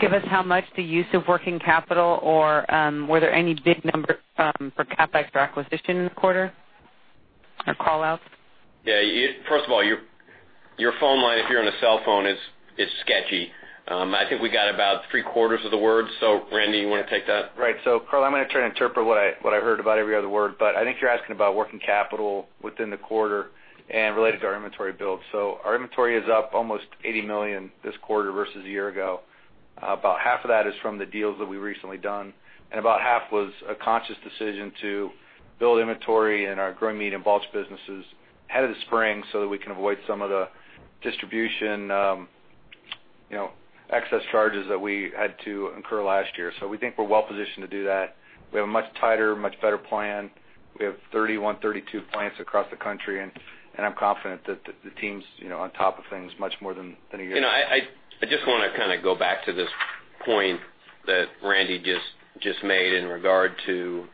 give us how much the use of working capital or were there any big numbers for CapEx or acquisition in the quarter or call outs? Yeah. First of all, your phone line, if you're on a cell phone, is sketchy. I think we got about three-quarters of the words. Randy, you want to take that? Right. Carla, I'm going to try and interpret what I heard about every other word. I think you're asking about working capital within the quarter and related to our inventory build. Our inventory is up almost $80 million this quarter versus a year ago. About half of that is from the deals that we've recently done, and about half was a conscious decision to build inventory in our growing media and bulks businesses ahead of the spring so that we can avoid some of the distribution excess charges that we had to incur last year. We think we're well positioned to do that. We have a much tighter, much better plan. We have 31, 32 plants across the country, and I'm confident that the team's on top of things much more than a year ago. I just want to kind of go back to the point that Randy just made in regard to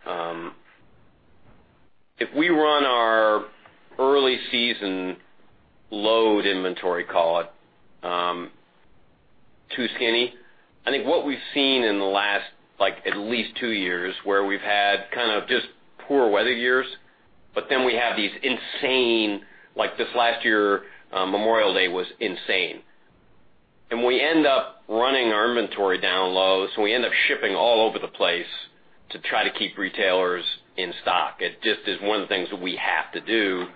if we run our early season load inventory, call it, too skinny. I think what we've seen in the last at least two years, where we've had kind of just poor weather years, but then we have these insane like this last year, Memorial Day was insane. We end up running our inventory down low, we end up shipping all over the place to try to keep retailers in stock. It just is one of the things that we have to do.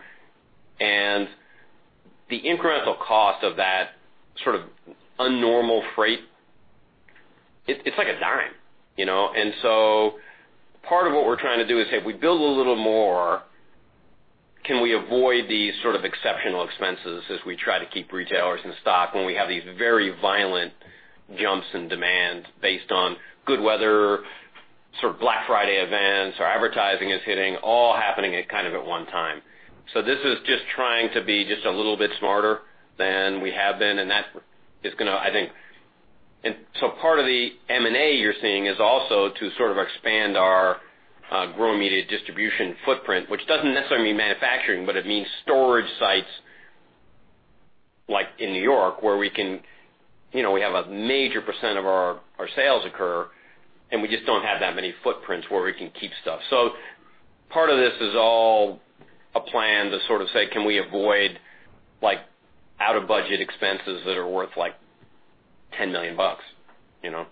The incremental cost of that sort of un-normal freight, it's like $0.10. Part of what we're trying to do is if we build a little more, can we avoid these sort of exceptional expenses as we try to keep retailers in stock when we have these very violent jumps in demand based on good weather, sort of Black Friday events, our advertising is hitting, all happening at kind of at one time. This is just trying to be just a little bit smarter than we have been. Part of the M&A you're seeing is also to sort of expand our growing media distribution footprint, which doesn't necessarily mean manufacturing, but it means storage sites like in New York where we have a major percent of our sales occur, and we just don't have that many footprints where we can keep stuff. Part of this is all a plan to sort of say, "Can we avoid out-of-budget expenses that are worth, like, 10 million bucks? I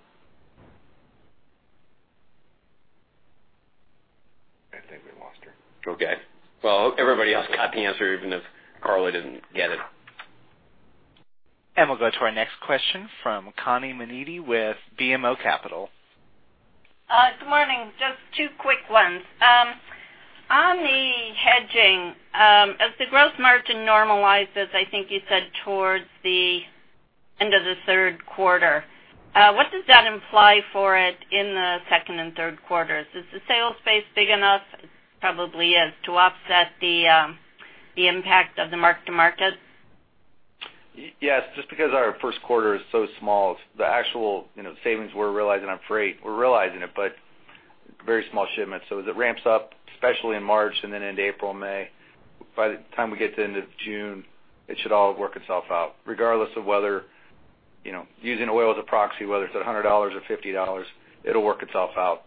think we lost her. Everybody else got the answer, even if Carla didn't get it. We'll go to our next question from Connie Maneaty with BMO Capital. Good morning. Just two quick ones. On the hedging, as the gross margin normalizes, I think you said towards the end of the third quarter, what does that imply for it in the second and third quarters? Is the sales space big enough, it probably is, to offset the impact of the mark to market? Yes, just because our first quarter is so small, the actual savings we're realizing on freight, we're realizing it, but very small shipments. As it ramps up, especially in March and then into April and May, by the time we get to the end of June, it should all work itself out, regardless of whether, using oil as a proxy, whether it's at $100 or $50, it'll work itself out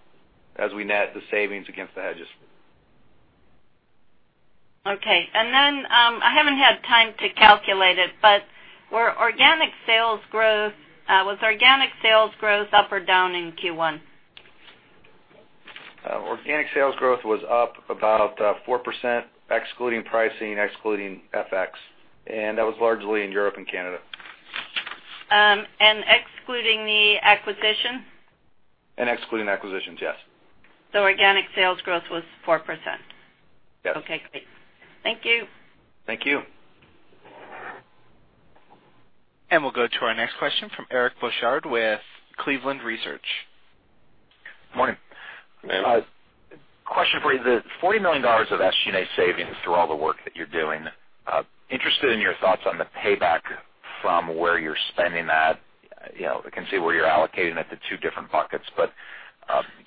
as we net the savings against the hedges. Okay. I haven't had time to calculate it, but was organic sales growth up or down in Q1? Organic sales growth was up about 4%, excluding pricing, excluding FX. That was largely in Europe and Canada. Excluding the acquisition? Excluding acquisitions, yes. Organic sales growth was 4%? Yes. Okay, great. Thank you. Thank you. We'll go to our next question from Eric Bosshard with Cleveland Research. Morning. Morning. Question for you. The $40 million of SG&A savings through all the work that you're doing, interested in your thoughts on the payback from where you're spending that. I can see where you're allocating it to two different buckets, but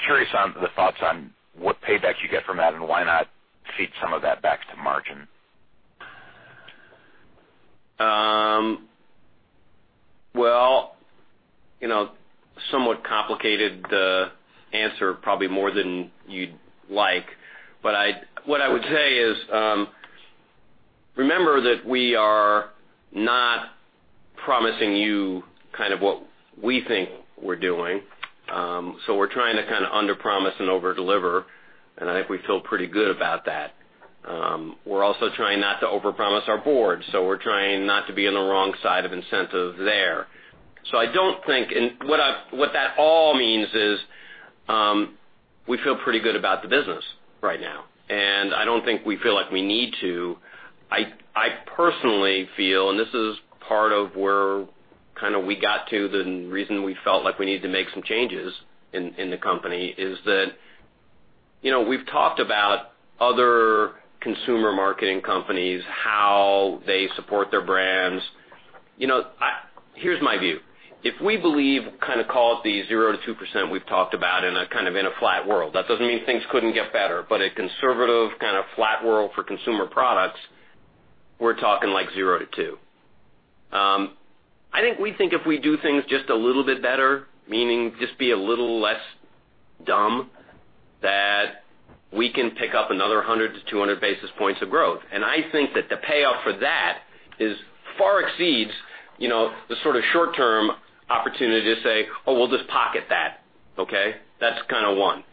curious on the thoughts on what payback you get from that and why not feed some of that back to margin. Somewhat complicated answer, probably more than you'd like. What I would say is, remember that we are not promising you kind of what we think we're doing. We're trying to kind of underpromise and overdeliver, and I think we feel pretty good about that. We're also trying not to overpromise our board, we're trying not to be in the wrong side of incentive there. What that all means is, we feel pretty good about the business right now, and I don't think we feel like we need to. I personally feel, and this is part of where kind of we got to, the reason we felt like we needed to make some changes in the company, is that we've talked about other consumer marketing companies, how they support their brands. Here's my view. If we believe, kind of call it the 0%-2% we've talked about in a kind of in a flat world. That doesn't mean things couldn't get better, but a conservative kind of flat world for consumer products, we're talking like 0%-2%. I think we think if we do things just a little bit better, meaning just be a little less dumb, that we can pick up another 100-200 basis points of growth. I think that the payoff for that far exceeds the sort of short-term opportunity to say, "Oh, we'll just pocket that." Okay? That's kind of one.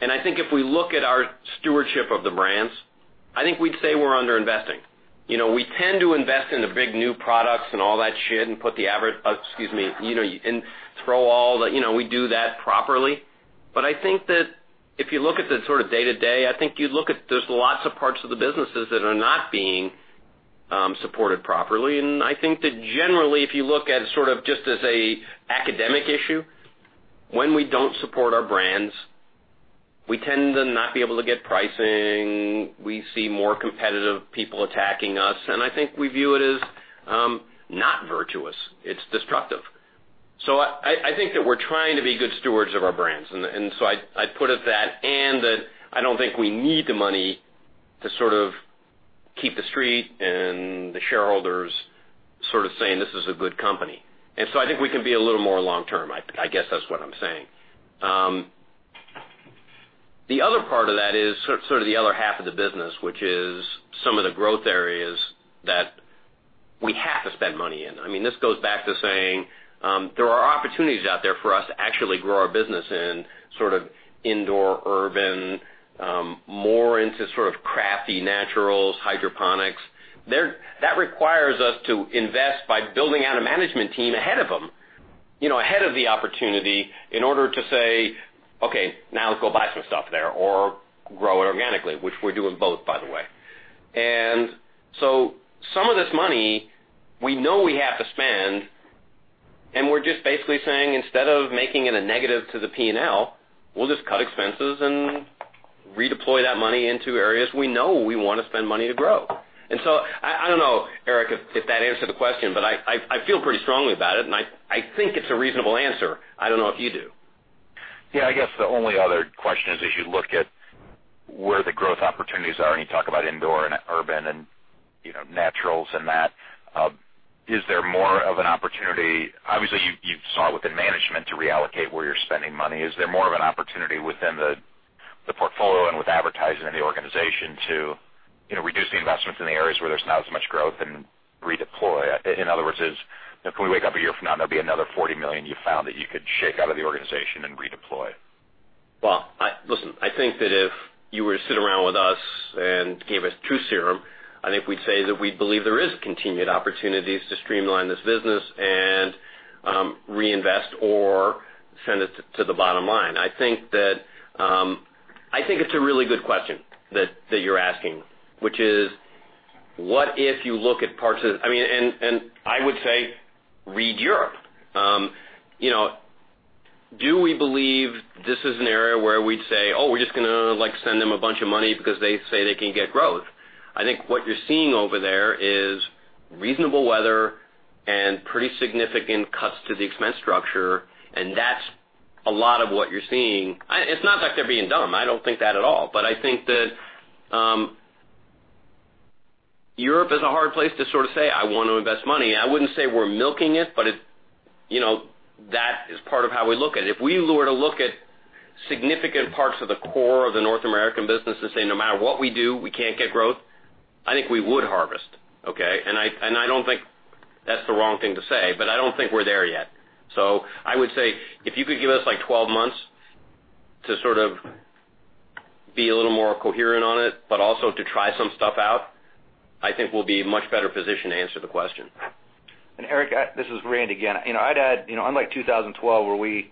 I think if we look at our stewardship of the brands, I think we'd say we're under-investing. We tend to invest in the big new products and all that shit. Excuse me. We do that properly. I think that if you look at the sort of day-to-day, I think you'd look at, there's lots of parts of the businesses that are not being supported properly. I think that generally, if you look at sort of just as an academic issue, when we don't support our brands, we tend to not be able to get pricing. We see more competitive people attacking us, and I think we view it as not virtuous. It's destructive. I think that we're trying to be good stewards of our brands, I put it that and that I don't think we need the money to sort of keep the street and the shareholders sort of saying, "This is a good company." I think we can be a little more long term. I guess that's what I'm saying. The other part of that is sort of the other half of the business, which is some of the growth areas that we have to spend money in. This goes back to saying there are opportunities out there for us to actually grow our business in sort of indoor, urban, more into sort of crafty naturals, hydroponics. That requires us to invest by building out a management team ahead of them, ahead of the opportunity in order to say, "Okay, now go buy some stuff there," or grow organically, which we're doing both, by the way. Some of this money we know we have to spend, and we're just basically saying, instead of making it a negative to the P&L, we'll just cut expenses and redeploy that money into areas we know we want to spend money to grow. I don't know, Eric, if that answered the question, but I feel pretty strongly about it, and I think it's a reasonable answer. I don't know if you do. Yeah, I guess the only other question is as you look at where the growth opportunities are, and you talk about indoor and urban and naturals and that, is there more of an opportunity? Obviously, you've sought within management to reallocate where you're spending money. Is there more of an opportunity within the portfolio and with advertising in the organization to reduce the investments in the areas where there's not as much growth and redeploy? In other words, if we wake up a year from now and there'll be another $40 million you found that you could shake out of the organization and redeploy. Well, listen, I think that if you were to sit around with us and gave us truth serum, I think we'd say that we believe there is continued opportunities to streamline this business and reinvest or send it to the bottom line. I think it's a really good question that you're asking, which is, what if you look at parts of and I would say [read Europe]. Do we believe this is an area where we'd say, "Oh, we're just going to send them a bunch of money because they say they can get growth"? I think what you're seeing over there is reasonable weather and pretty significant cuts to the expense structure, and that's a lot of what you're seeing. It's not like they're being dumb. I don't think that at all. I think that Europe is a hard place to sort of say, I want to invest money. I wouldn't say we're milking it, but that is part of how we look at it. If we were to look at significant parts of the core of the North American business and say, "No matter what we do, we can't get growth," I think we would harvest, okay? I don't think that's the wrong thing to say, but I don't think we're there yet. I would say, if you could give us 12 months to sort of be a little more coherent on it, but also to try some stuff out, I think we'll be in a much better position to answer the question. Eric, this is Randy again. I'd add, unlike 2012 where we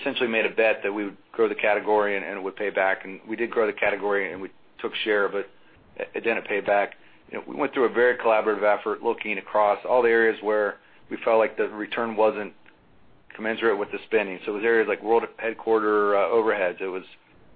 essentially made a bet that we would grow the category and it would pay back, and we did grow the category and we took share, but it didn't pay back. We went through a very collaborative effort looking across all the areas where we felt like the return wasn't commensurate with the spending. It was areas like world headquarter overheads. It was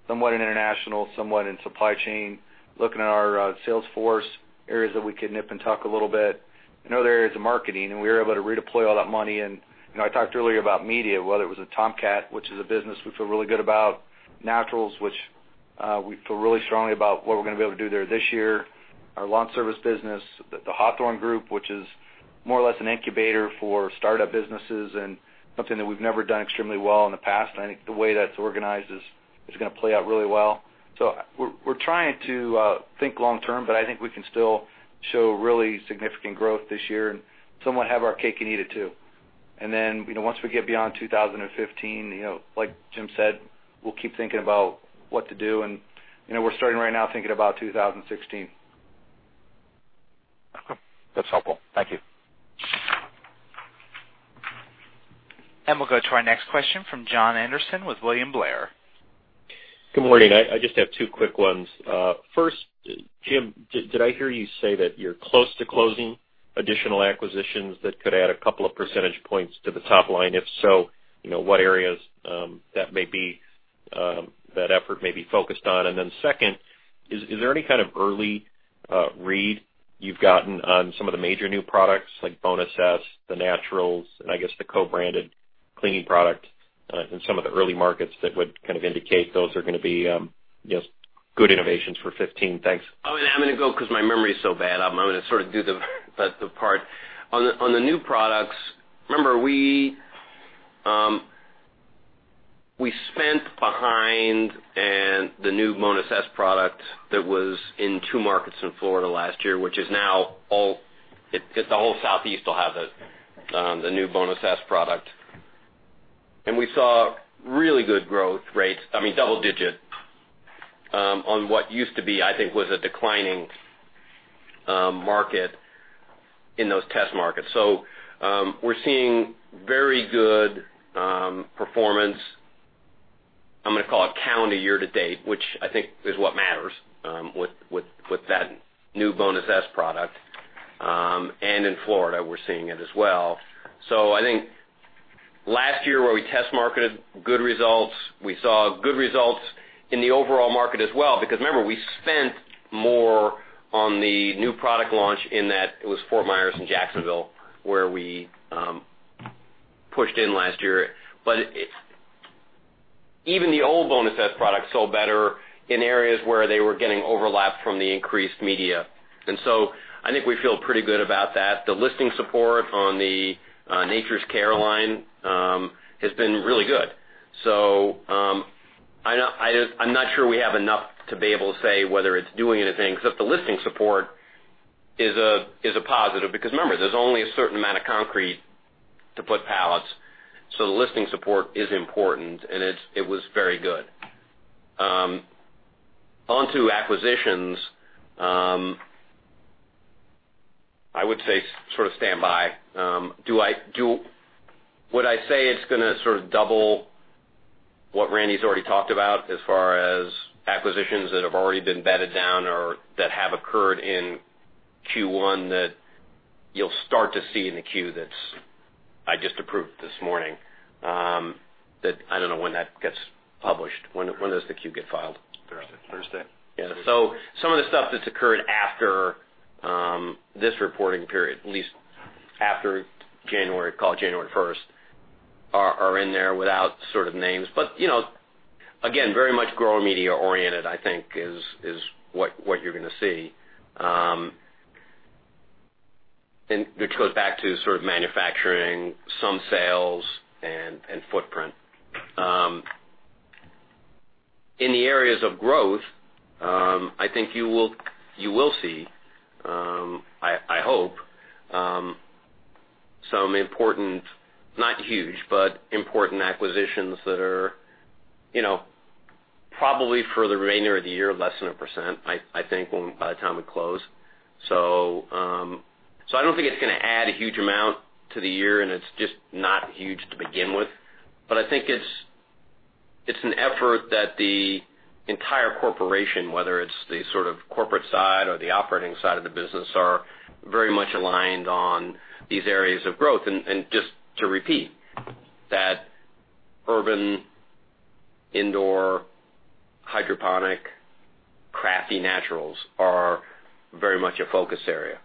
somewhat in international, somewhat in supply chain, looking at our sales force, areas that we could nip and tuck a little bit. In other areas of marketing, we were able to redeploy all that money in. I talked earlier about media, whether it was a Tomcat, which is a business we feel really good about, Nature's Care, which we feel really strongly about what we're going to be able to do there this year. Our lawn service business, the Hawthorne Group, which is more or less an incubator for startup businesses and something that we've never done extremely well in the past. I think the way that's organized is going to play out really well. We're trying to think long term, but I think we can still show really significant growth this year and somewhat have our cake and eat it, too. Once we get beyond 2015, like Jim said, we'll keep thinking about what to do, and we're starting right now thinking about 2016. Okay. That's helpful. Thank you. We'll go to our next question from Jon Andersen with William Blair. Good morning. I just have two quick ones. First, Jim, did I hear you say that you're close to closing additional acquisitions that could add a couple of percentage points to the top line? If so, what areas that effort may be focused on? Second, is there any kind of early read you've gotten on some of the major new products like Bonus S, the Naturals, and I guess the co-branded cleaning product in some of the early markets that would kind of indicate those are going to be good innovations for 2015? Thanks. I'm going to go because my memory is so bad, I'm going to sort of do the part. On the new products, remember, we spent behind and the new Bonus S product that was in 2 markets in Florida last year, which is now the whole Southeast will have the new Bonus S product. We saw really good growth rates, double digit, on what used to be, I think, was a declining market in those test markets. We're seeing very good performance, I'm going to call it calendar year to date, which I think is what matters with that new Bonus S product. In Florida, we're seeing it as well. I think last year where we test marketed good results, we saw good results in the overall market as well. Remember, we spent more on the new product launch. It was Fort Myers and Jacksonville where we pushed in last year. Even the old Bonus S product sold better in areas where they were getting overlap from the increased media. I think we feel pretty good about that. The listing support on the Nature's Care line has been really good. I'm not sure we have enough to be able to say whether it's doing anything, except the listing support is a positive because remember, there's only a certain amount of concrete to put pallets. The listing support is important, and it was very good. On to acquisitions, I would say sort of stand by. Would I say it's going to sort of double what Randy's already talked about as far as acquisitions that have already been bedded down or that have occurred in Q1 that you'll start to see in the Q that I just approved this morning. I don't know when that gets published. When does the Q get filed? Thursday. Yeah. Some of the stuff that's occurred after this reporting period, at least after January, call it January 1st, are in there without sort of names. Again, very much growing media oriented, I think is what you're going to see. Which goes back to sort of manufacturing some sales and footprint. In the areas of growth, I think you will see, I hope, some important, not huge, but important acquisitions that are probably for the remainder of the year, less than 1%, I think, by the time we close. I don't think it's going to add a huge amount to the year, and it's just not huge to begin with. I think it's an effort that the entire corporation, whether it's the sort of corporate side or the operating side of the business, are very much aligned on these areas of growth. Just to repeat, that urban indoor hydroponic crafty naturals are very much a focus area.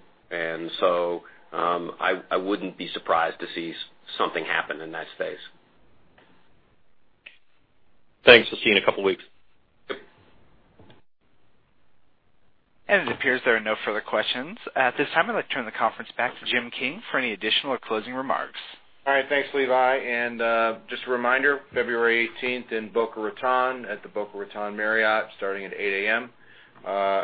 I wouldn't be surprised to see something happen in that space. Thanks. We'll see you in a couple of weeks. Yep. It appears there are no further questions. At this time, I'd like to turn the conference back to Jim King for any additional or closing remarks. All right. Thanks, Levi. Just a reminder, February 18th in Boca Raton at the Boca Raton Marriott, starting at 8:00 A.M.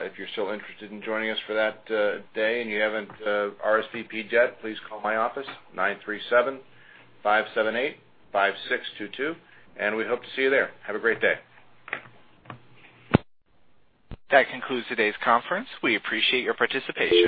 If you're still interested in joining us for that day and you haven't RSVP'd yet, please call my office 937-578-5622. We hope to see you there. Have a great day. That concludes today's conference. We appreciate your participation.